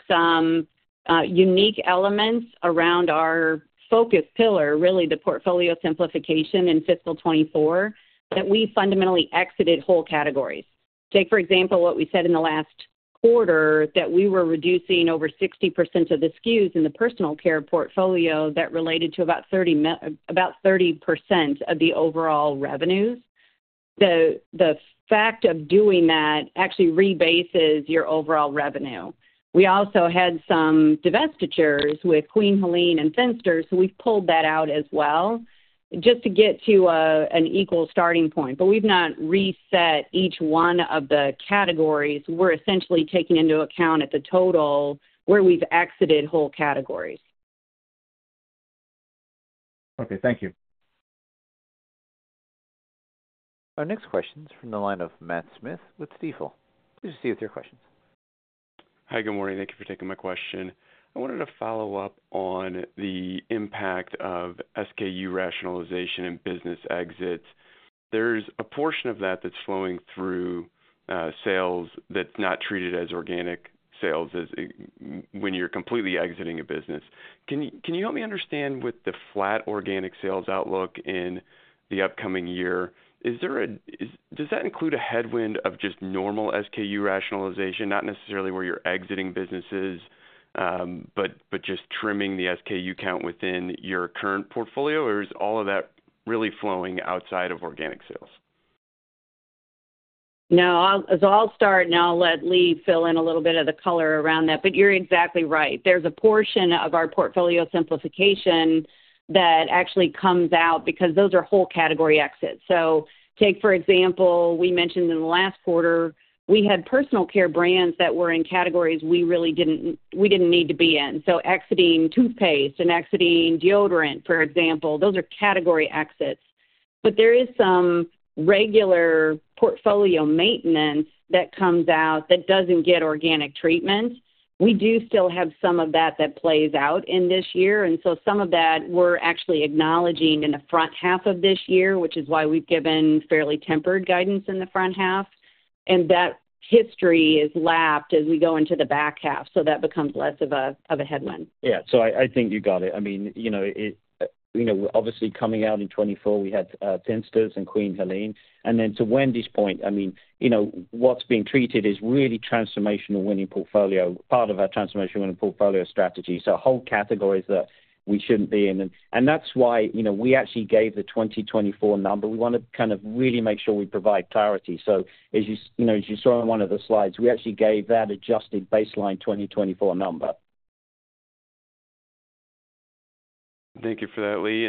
some unique elements around our focus pillar, really the portfolio simplification in fiscal 2024, that we fundamentally exited whole categories. Take, for example, what we said in the last quarter, that we were reducing over 60% of the SKUs in the personal care portfolio that related to about 30% of the overall revenues. The fact of doing that actually rebases your overall revenue. We also had some divestitures with Queen Helene and Thinsters, so we've pulled that out as well, just to get to an equal starting point. But we've not reset each one of the categories. We're essentially taking into account at the total where we've exited whole categories. Okay, thank you. Our next question is from the line of Matt Smith with Stifel. Please proceed with your questions. Hi, good morning. Thank you for taking my question. I wanted to follow up on the impact of SKU rationalization and business exits. There's a portion of that that's flowing through sales that's not treated as organic sales as when you're completely exiting a business. Can you help me understand with the flat organic sales outlook in the upcoming year, is there a headwind of just normal SKU rationalization, not necessarily where you're exiting businesses, but just trimming the SKU count within your current portfolio? Or is all of that really flowing outside of organic sales? No, so I'll start, and I'll let Lee fill in a little bit of the color around that, but you're exactly right. There's a portion of our portfolio simplification that actually comes out because those are whole category exits. Take, for example, we mentioned in the last quarter, we had personal care brands that were in categories we really didn't, we didn't need to be in. Excedrin toothpaste and Excedrin deodorant, for example, those are category exits. There is some regular portfolio maintenance that comes out that doesn't get organic treatment. We do still have some of that that plays out in this year, and so some of that we're actually acknowledging in the front half of this year, which is why we've given fairly tempered guidance in the front half. That history is lapped as we go into the back half, so that becomes less of a headwind. Yeah. So I think you got it. I mean, you know, obviously coming out in 2024, we had Thinsters and Queen Helene. And then to Wendy's point, I mean, you know, what's being treated is really transformational winning portfolio, part of our transformational winning portfolio strategy. So whole categories that we shouldn't be in. And that's why, you know, we actually gave the 2024 number. We want to kind of really make sure we provide clarity. So as you know, as you saw in one of the slides, we actually gave that adjusted baseline 2024 number. Thank you for that, Lee.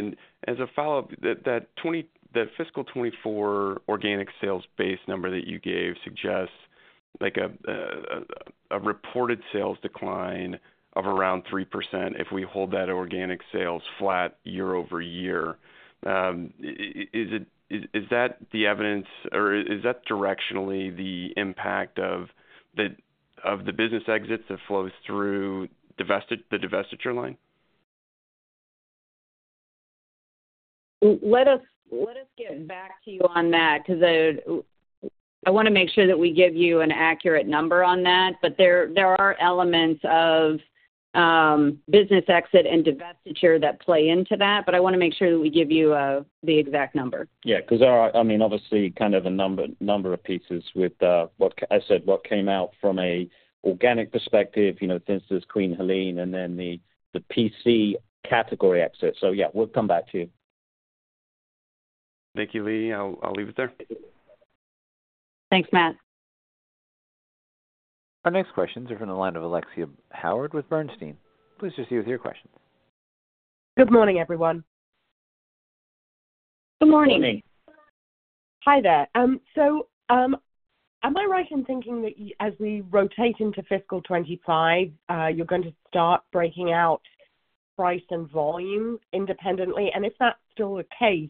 As a follow-up, that fiscal 2024 organic sales base number that you gave suggests like a reported sales decline of around 3% if we hold that organic sales flat year-over-year. Is it the evidence, or is that directionally the impact of the business exits that flows through the divestiture line? Let us get back to you on that, because I want to make sure that we give you an accurate number on that. But there are elements of business exit and divestiture that play into that, but I want to make sure that we give you the exact number. Yeah, because there are, I mean, obviously, kind of a number of pieces with what I said, what came out from an organic perspective, you know, since this Queen Helene and then the PC category exit. So yeah, we'll come back to you. Thank you, Lee. I'll leave it there. Thanks, Matt. Our next questions are from the line of Alexia Howard with Bernstein. Please proceed with your questions. Good morning, everyone. Good morning. Good morning. Hi there. So, am I right in thinking that as we rotate into fiscal 2025, you're going to start breaking out price and volume independently? And if that's still the case,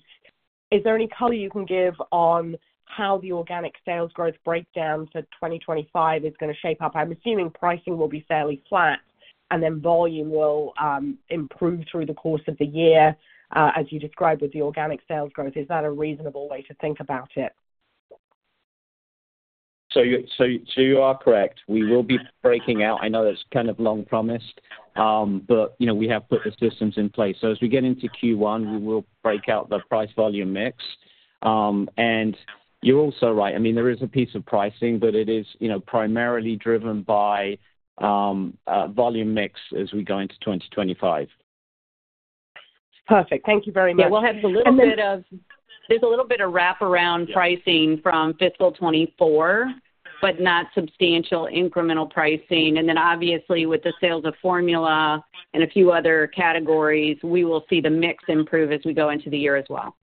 is there any color you can give on how the organic sales growth breakdown for 2025 is going to shape up? I'm assuming pricing will be fairly flat, and then volume will improve through the course of the year, as you described, with the organic sales growth. Is that a reasonable way to think about it? So you are correct. We will be breaking out. I know that's kind of long promised, but, you know, we have put the systems in place. So as we get into Q1, we will break out the price-volume mix. And you're also right. I mean, there is a piece of pricing, but it is, you know, primarily driven by volume mix as we go into 2025. Perfect. Thank you very much. Yeah, we'll have a little bit of wraparound pricing from fiscal 2024, but not substantial incremental pricing. And then obviously, with the sales of formula and a few other categories, we will see the mix improve as we go into the year as well.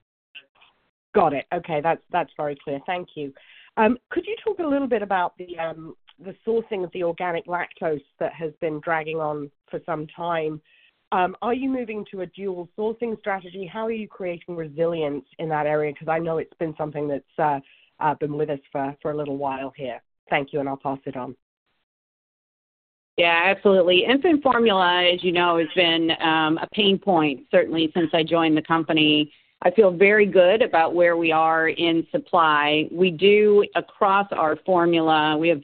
Got it. Okay, that's very clear. Thank you. Could you talk a little bit about the sourcing of the organic lactose that has been dragging on for some time? Are you moving to a dual sourcing strategy? How are you creating resilience in that area? Because I know it's been something that's been with us for a little while here. Thank you, and I'll pass it on. Yeah, absolutely. Infant formula, as you know, has been a pain point, certainly since I joined the company. I feel very good about where we are in supply. We do, across our formula, we have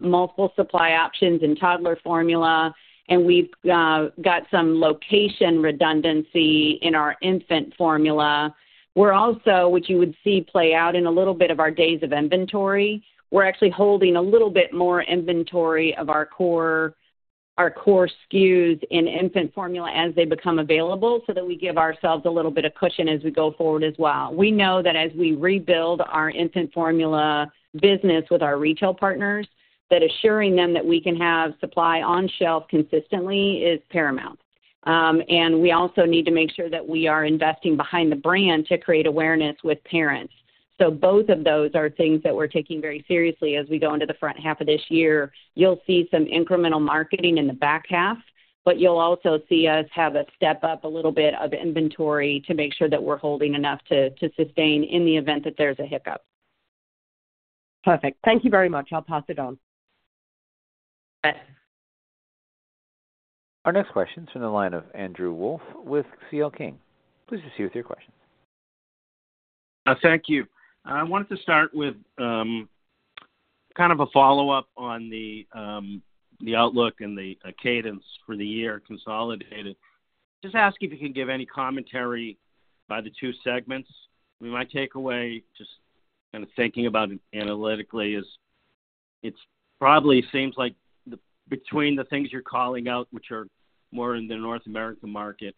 multiple supply options in toddler formula, and we've got some location redundancy in our infant formula. We're also, which you would see play out in a little bit of our days of inventory, we're actually holding a little bit more inventory of our core, our core SKUs in infant formula as they become available, so that we give ourselves a little bit of cushion as we go forward as well. We know that as we rebuild our infant formula business with our retail partners, that assuring them that we can have supply on shelf consistently is paramount. And we also need to make sure that we are investing behind the brand to create awareness with parents. So both of those are things that we're taking very seriously as we go into the front half of this year. You'll see some incremental marketing in the back half, but you'll also see us have a step up, a little bit of inventory to make sure that we're holding enough to sustain in the event that there's a hiccup. Perfect. Thank you very much. I'll pass it on. Thanks. Our next question is from the line of Andrew Wolf with C.L. King. Please proceed with your question. Thank you. I wanted to start with kind of a follow-up on the outlook and the cadence for the year consolidated. Just ask if you can give any commentary by the two segments. I mean, my takeaway, just kind of thinking about it analytically, is it's probably seems like the between the things you're calling out, which are more in the North America market,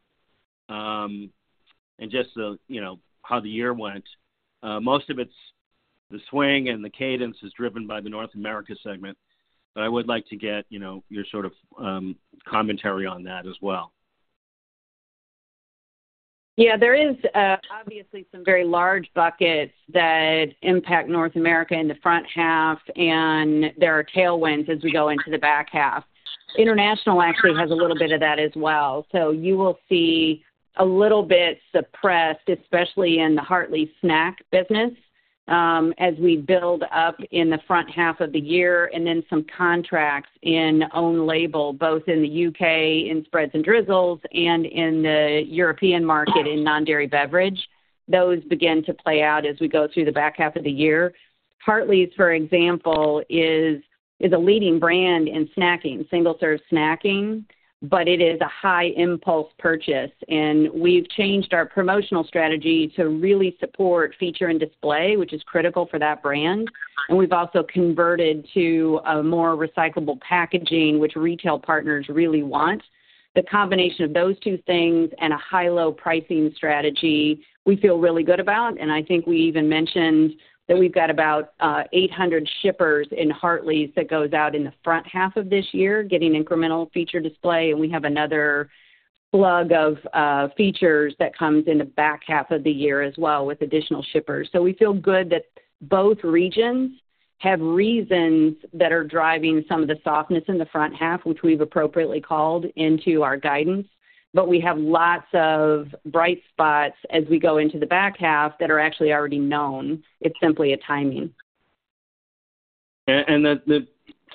and just the, you know, how the year went, most of it's, the swing and the cadence is driven by the North America segment. But I would like to get, you know, your sort of commentary on that as well. Yeah, there is, obviously some very large buckets that impact North America in the front half, and there are tailwinds as we go into the back half. International actually has a little bit of that as well. So you will see a little bit suppressed, especially in the Hartley's snack business, as we build up in the front half of the year, and then some contracts in own label, both in the U.K., in spreads and drizzles, and in the European market, in non-dairy beverage, those begin to play out as we go through the back half of the year. Hartley's, for example, is a leading brand in snacking, single-serve snacking, but it is a high impulse purchase, and we've changed our promotional strategy to really support feature and display, which is critical for that brand. And we've also converted to a more recyclable packaging, which retail partners really want. The combination of those two things and a high-low pricing strategy, we feel really good about, and I think we even mentioned that we've got about 800 shippers in Hartley's that goes out in the front half of this year, getting incremental feature display. And we have another slug of features that comes in the back half of the year as well, with additional shippers. So we feel good that both regions have reasons that are driving some of the softness in the front half, which we've appropriately called into our guidance. But we have lots of bright spots as we go into the back half that are actually already known. It's simply a timing. The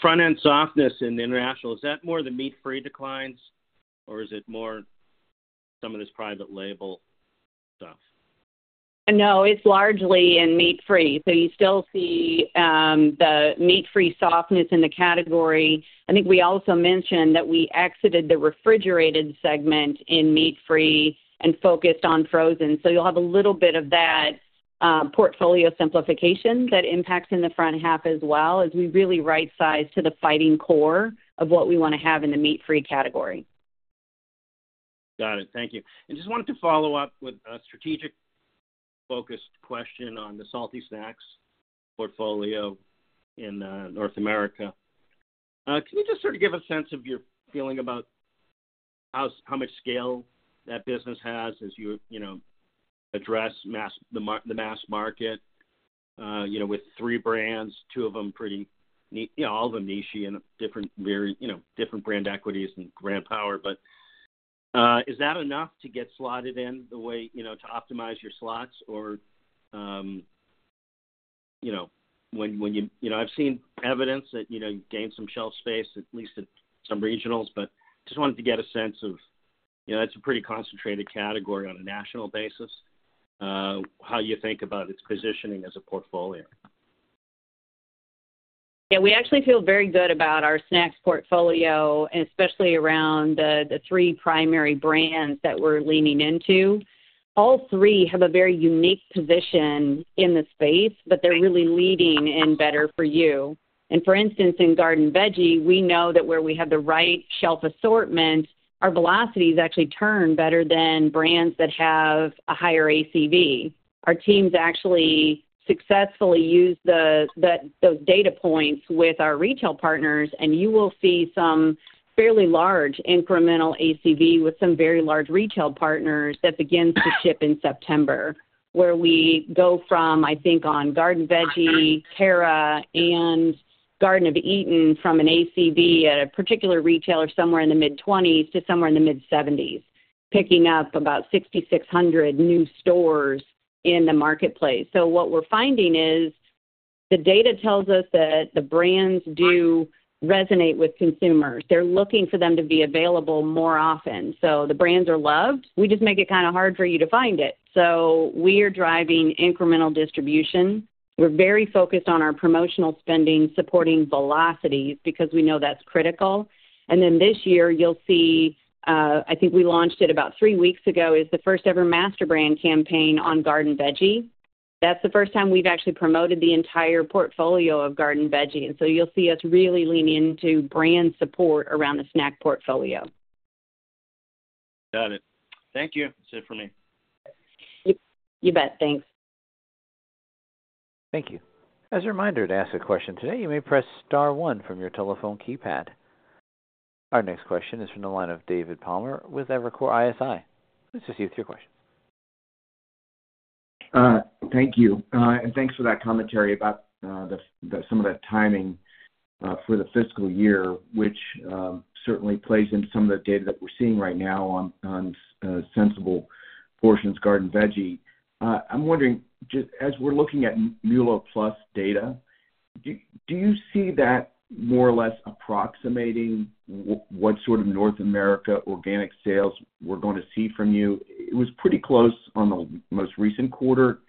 front-end softness in the international, is that more the meat-free declines, or is it more some of this private label stuff? No, it's largely in meat-free. So you still see, the meat-free softness in the category. I think we also mentioned that we exited the refrigerated segment in meat-free and focused on frozen. So you'll have a little bit of that, portfolio simplification that impacts in the front half as well, as we really right size to the fighting core of what we want to have in the meat-free category. Got it. Thank you. I just wanted to follow up with a strategic-focused question on the salty snacks portfolio in North America. Can you just sort of give a sense of your feeling about how much scale that business has as you know, address the mass market, you know, with three brands, two of them pretty niche-y, you know, all of them niche-y and different, very you know, different brand equities and brand power. But is that enough to get slotted in the way, you know, to optimize your slots? Or, you know, you know, I've seen evidence that, you know, you gained some shelf space, at least in some regionals. But just wanted to get a sense of, you know, it's a pretty concentrated category on a national basis, how you think about its positioning as a portfolio? Yeah, we actually feel very good about our snacks portfolio, and especially around the three primary brands that we're leaning into. All three have a very unique position in the space, but they're really leading in better for you. And for instance, in Garden Veggie, we know that where we have the right shelf assortment, our velocities actually turn better than brands that have a higher ACV. Our teams actually successfully use the those data points with our retail partners, and you will see some fairly large incremental ACV with some very large retail partners that begins to ship in September, where we go from, I think, on Garden Veggie, Terra, and Garden of Eatin', from an ACV at a particular retailer, somewhere in the mid-twenties to somewhere in the mid-seventies, picking up about 6,600 new stores in the marketplace. So what we're finding is, the data tells us that the brands do resonate with consumers. They're looking for them to be available more often. So the brands are loved. We just make it kind of hard for you to find it. So we are driving incremental distribution. We're very focused on our promotional spending, supporting velocities, because we know that's critical. And then this year, you'll see. I think we launched it about three weeks ago: the first ever master brand campaign on Garden Veggie. That's the first time we've actually promoted the entire portfolio of Garden Veggie, and so you'll see us really lean into brand support around the snack portfolio. Got it. Thank you. That's it for me. You bet. Thanks. Thank you. As a reminder, to ask a question today, you may press star one from your telephone keypad. Our next question is from the line of David Palmer with Evercore ISI. This is you with your question. Thank you, and thanks for that commentary about some of the timing for the fiscal year, which certainly plays into some of the data that we're seeing right now on Sensible Portions Garden Veggie. I'm wondering, just as we're looking at MULO+ data, do you see that more or less approximating what sort of North America organic sales we're going to see from you? It was pretty close on the most recent quarter.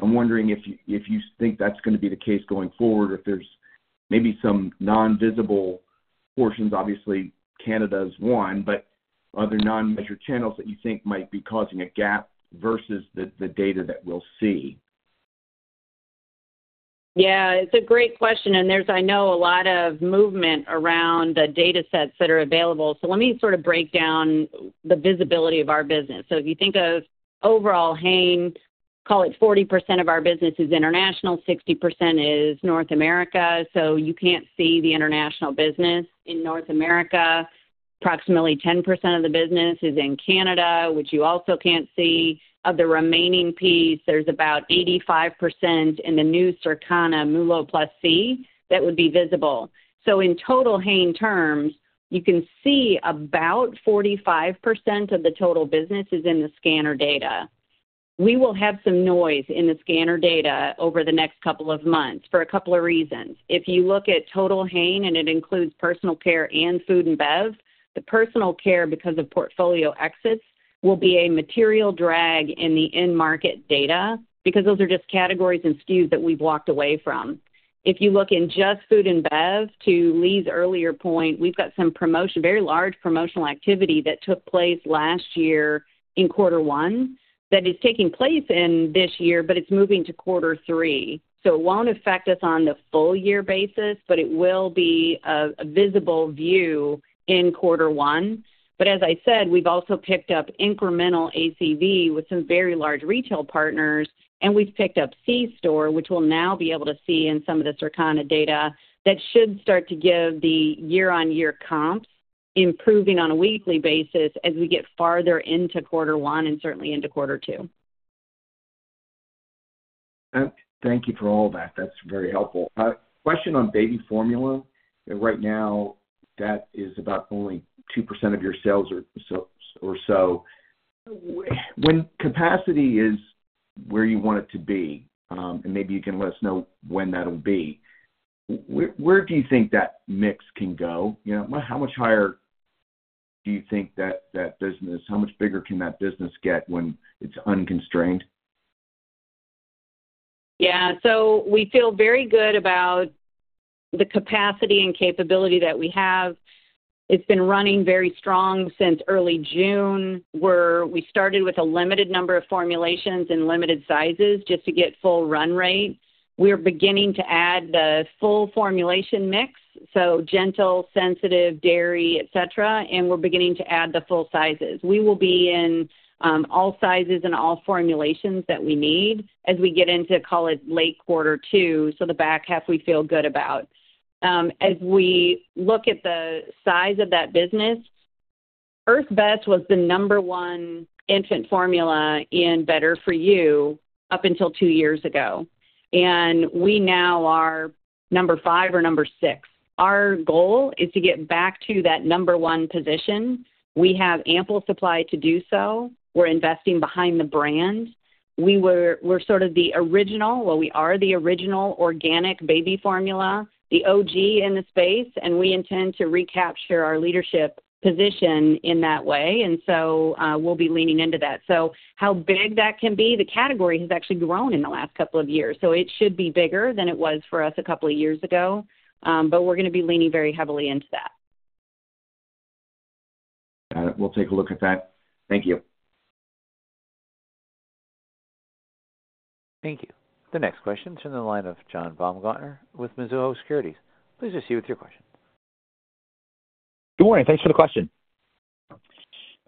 I'm wondering if you think that's gonna be the case going forward, or if there's maybe some non-visible portions. Obviously, Canada is one, but other non-measured channels that you think might be causing a gap versus the data that we'll see. Yeah, it's a great question, and there's, I know, a lot of movement around the data sets that are available. So let me sort of break down the visibility of our business. So if you think of overall Hain, call it 40% of our business is international, 60% is North America, so you can't see the international business. In North America, approximately 10% of the business is in Canada, which you also can't see. Of the remaining piece, there's about 85% in the new Circana MULO+C that would be visible. So in total Hain terms, you can see about 45% of the total business is in the scanner data. We will have some noise in the scanner data over the next couple of months for a couple of reasons. If you look at total Hain, and it includes personal care and food and bev, the personal care, because of portfolio exits, will be a material drag in the end market data because those are just categories and SKUs that we've walked away from. If you look in just food and bev, to Lee's earlier point, we've got some promotion, very large promotional activity that took place last year in quarter one, that is taking place in this year, but it's moving to quarter three. So it won't affect us on the full year basis, but it will be a visible view in quarter one. But as I said, we've also picked up incremental ACV with some very large retail partners, and we've picked up C-store, which we'll now be able to see in some of the Circana data. That should start to give the year-on-year comps, improving on a weekly basis as we get farther into quarter one and certainly into quarter two. Thank you for all that. That's very helpful. Question on baby formula. Right now, that is about only 2% of your sales or so. When capacity is where you want it to be, and maybe you can let us know when that'll be, where do you think that mix can go? You know, how much higher do you think that business, how much bigger can that business get when it's unconstrained? Yeah. We feel very good about the capacity and capability that we have. It's been running very strong since early June, where we started with a limited number of formulations and limited sizes just to get full run rate. We're beginning to add the full formulation mix, so gentle, sensitive, dairy, et cetera, and we're beginning to add the full sizes. We will be in all sizes and all formulations that we need as we get into, call it, late quarter two, so the back half we feel good about. As we look at the size of that business, Earth's Best was the number one infant formula in Better For You up until two years ago, and we now are number five or number six. Our goal is to get back to that number one position. We have ample supply to do so. We're investing behind the brand. We're sort of the original, well, we are the original organic baby formula, the OG in the space, and we intend to recapture our leadership position in that way, and so, we'll be leaning into that, so how big that can be, the category has actually grown in the last couple of years, so it should be bigger than it was for us a couple of years ago, but we're going to be leaning very heavily into that. Got it. We'll take a look at that. Thank you. Thank you. The next question is in the line of John Baumgartner with Mizuho Securities. Please proceed with your question. Good morning. Thanks for the question.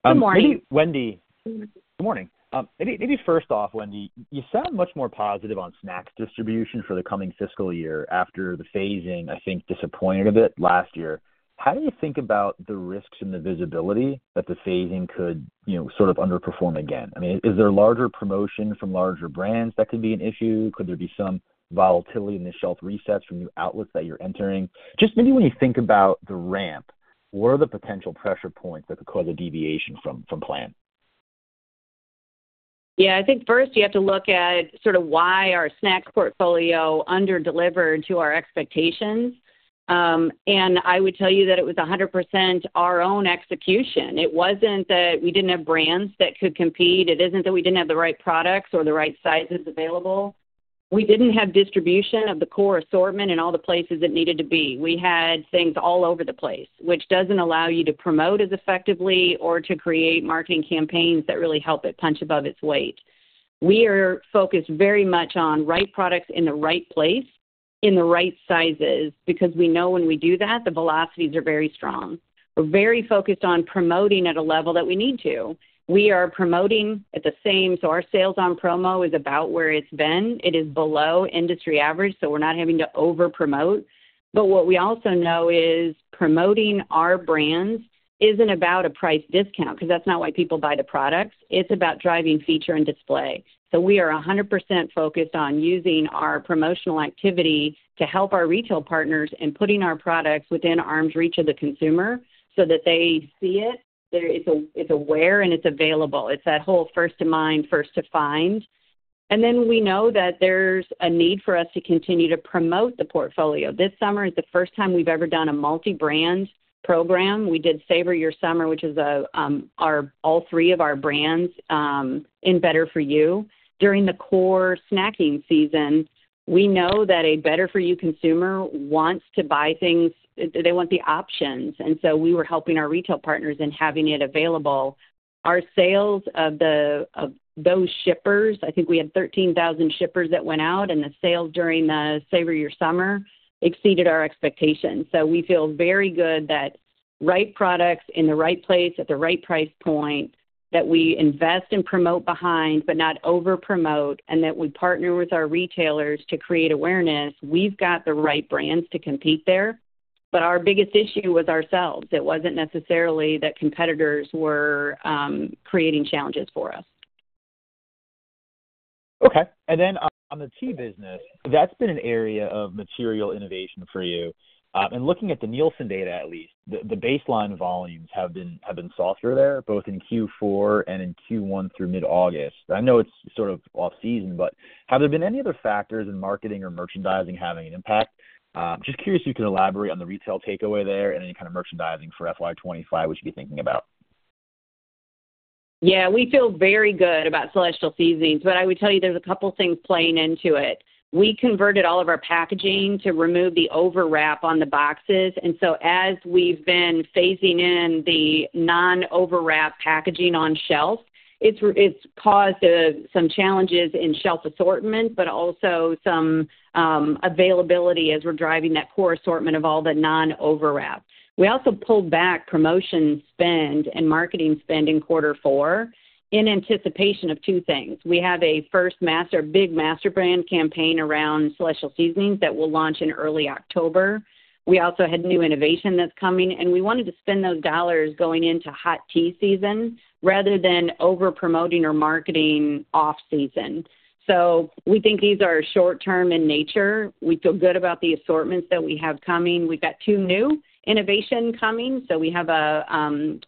Good morning. Wendy. Good morning. Maybe first off, Wendy, you sound much more positive on snack distribution for the coming fiscal year after the phasing. I think disappointed a bit last year. How do you think about the risks and the visibility that the phasing could, you know, sort of underperform again? I mean, is there larger promotion from larger brands that could be an issue? Could there be some volatility in the shelf resets from new outlets that you're entering? Just maybe when you think about the ramp, what are the potential pressure points that could cause a deviation from plan? Yeah, I think first you have to look at sort of why our snack portfolio underdelivered to our expectations, and I would tell you that it was 100% our own execution. It wasn't that we didn't have brands that could compete. It isn't that we didn't have the right products or the right sizes available. We didn't have distribution of the core assortment in all the places it needed to be. We had things all over the place, which doesn't allow you to promote as effectively or to create marketing campaigns that really help it punch above its weight. We are focused very much on right products in the right place, in the right sizes, because we know when we do that, the velocities are very strong. We're very focused on promoting at a level that we need to. We are promoting at the same, so our sales on promo is about where it's been. It is below industry average, so we're not having to over promote. But what we also know is promoting our brands isn't about a price discount, because that's not why people buy the products. It's about driving feature and display. So we are 100% focused on using our promotional activity to help our retail partners in putting our products within arm's reach of the consumer so that they see it, there it's aware, and it's available. It's that whole first to mind, first to find. And then we know that there's a need for us to continue to promote the portfolio. This summer is the first time we've ever done a multi-brand program. We did Savor Your Summer, which is all three of our brands in Better For You. During the core snacking season, we know that a Better For You consumer wants to buy things. They want the options, and so we were helping our retail partners in having it available. Our sales of those shippers, I think we had 13,000 shippers that went out, and the sales during the Savor Your Summer exceeded our expectations. We feel very good that right products in the right place, at the right price point, that we invest and promote behind, but not over promote, and that we partner with our retailers to create awareness. We've got the right brands to compete there, but our biggest issue was ourselves. It wasn't necessarily that competitors were creating challenges for us. Okay, and then on the tea business, that's been an area of material innovation for you. And looking at the Nielsen data, at least, the baseline volumes have been softer there, both in Q4 and in Q1 through mid-August. I know it's sort of off-season, but have there been any other factors in marketing or merchandising having an impact? Just curious if you can elaborate on the retail takeaway there and any kind of merchandising for FY 2025 we should be thinking about. Yeah, we feel very good about Celestial Seasonings, but I would tell you there's a couple things playing into it. We converted all of our packaging to remove the overwrap on the boxes, and so as we've been phasing in the non-overwrap packaging on shelf, it's caused some challenges in shelf assortment, but also some availability as we're driving that core assortment of all the non-overwrap. We also pulled back promotion spend and marketing spend in quarter four in anticipation of two things. We have a first master, big master brand campaign around Celestial Seasonings that will launch in early October. We also had new innovation that's coming, and we wanted to spend those dollars going into hot tea season rather than over-promoting or marketing off-season. So we think these are short term in nature. We feel good about the assortments that we have coming. We've got two new innovation coming, so we have a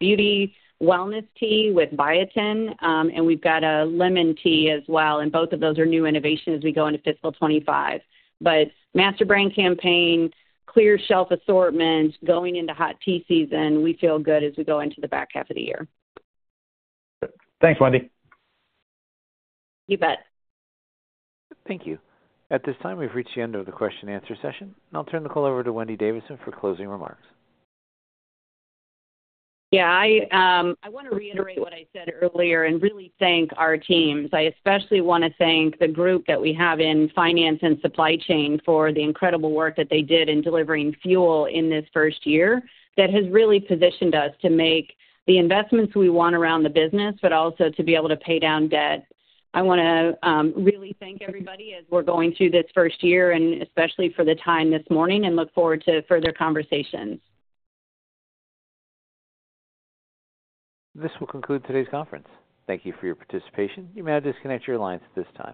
beauty wellness tea with biotin, and we've got a lemon tea as well, and both of those are new innovations as we go into fiscal 2025. But master brand campaign, clear shelf assortment, going into hot tea season, we feel good as we go into the back half of the year. Thanks, Wendy. You bet. Thank you. At this time, we've reached the end of the question and answer session, and I'll turn the call over to Wendy Davidson for closing remarks. Yeah, I wanna reiterate what I said earlier and really thank our teams. I especially wanna thank the group that we have in finance and supply chain for the incredible work that they did in delivering fuel in this first year, that has really positioned us to make the investments we want around the business, but also to be able to pay down debt. I wanna really thank everybody as we're going through this first year and especially for the time this morning, and look forward to further conversations. This will conclude today's conference. Thank you for your participation. You may now disconnect your lines at this time.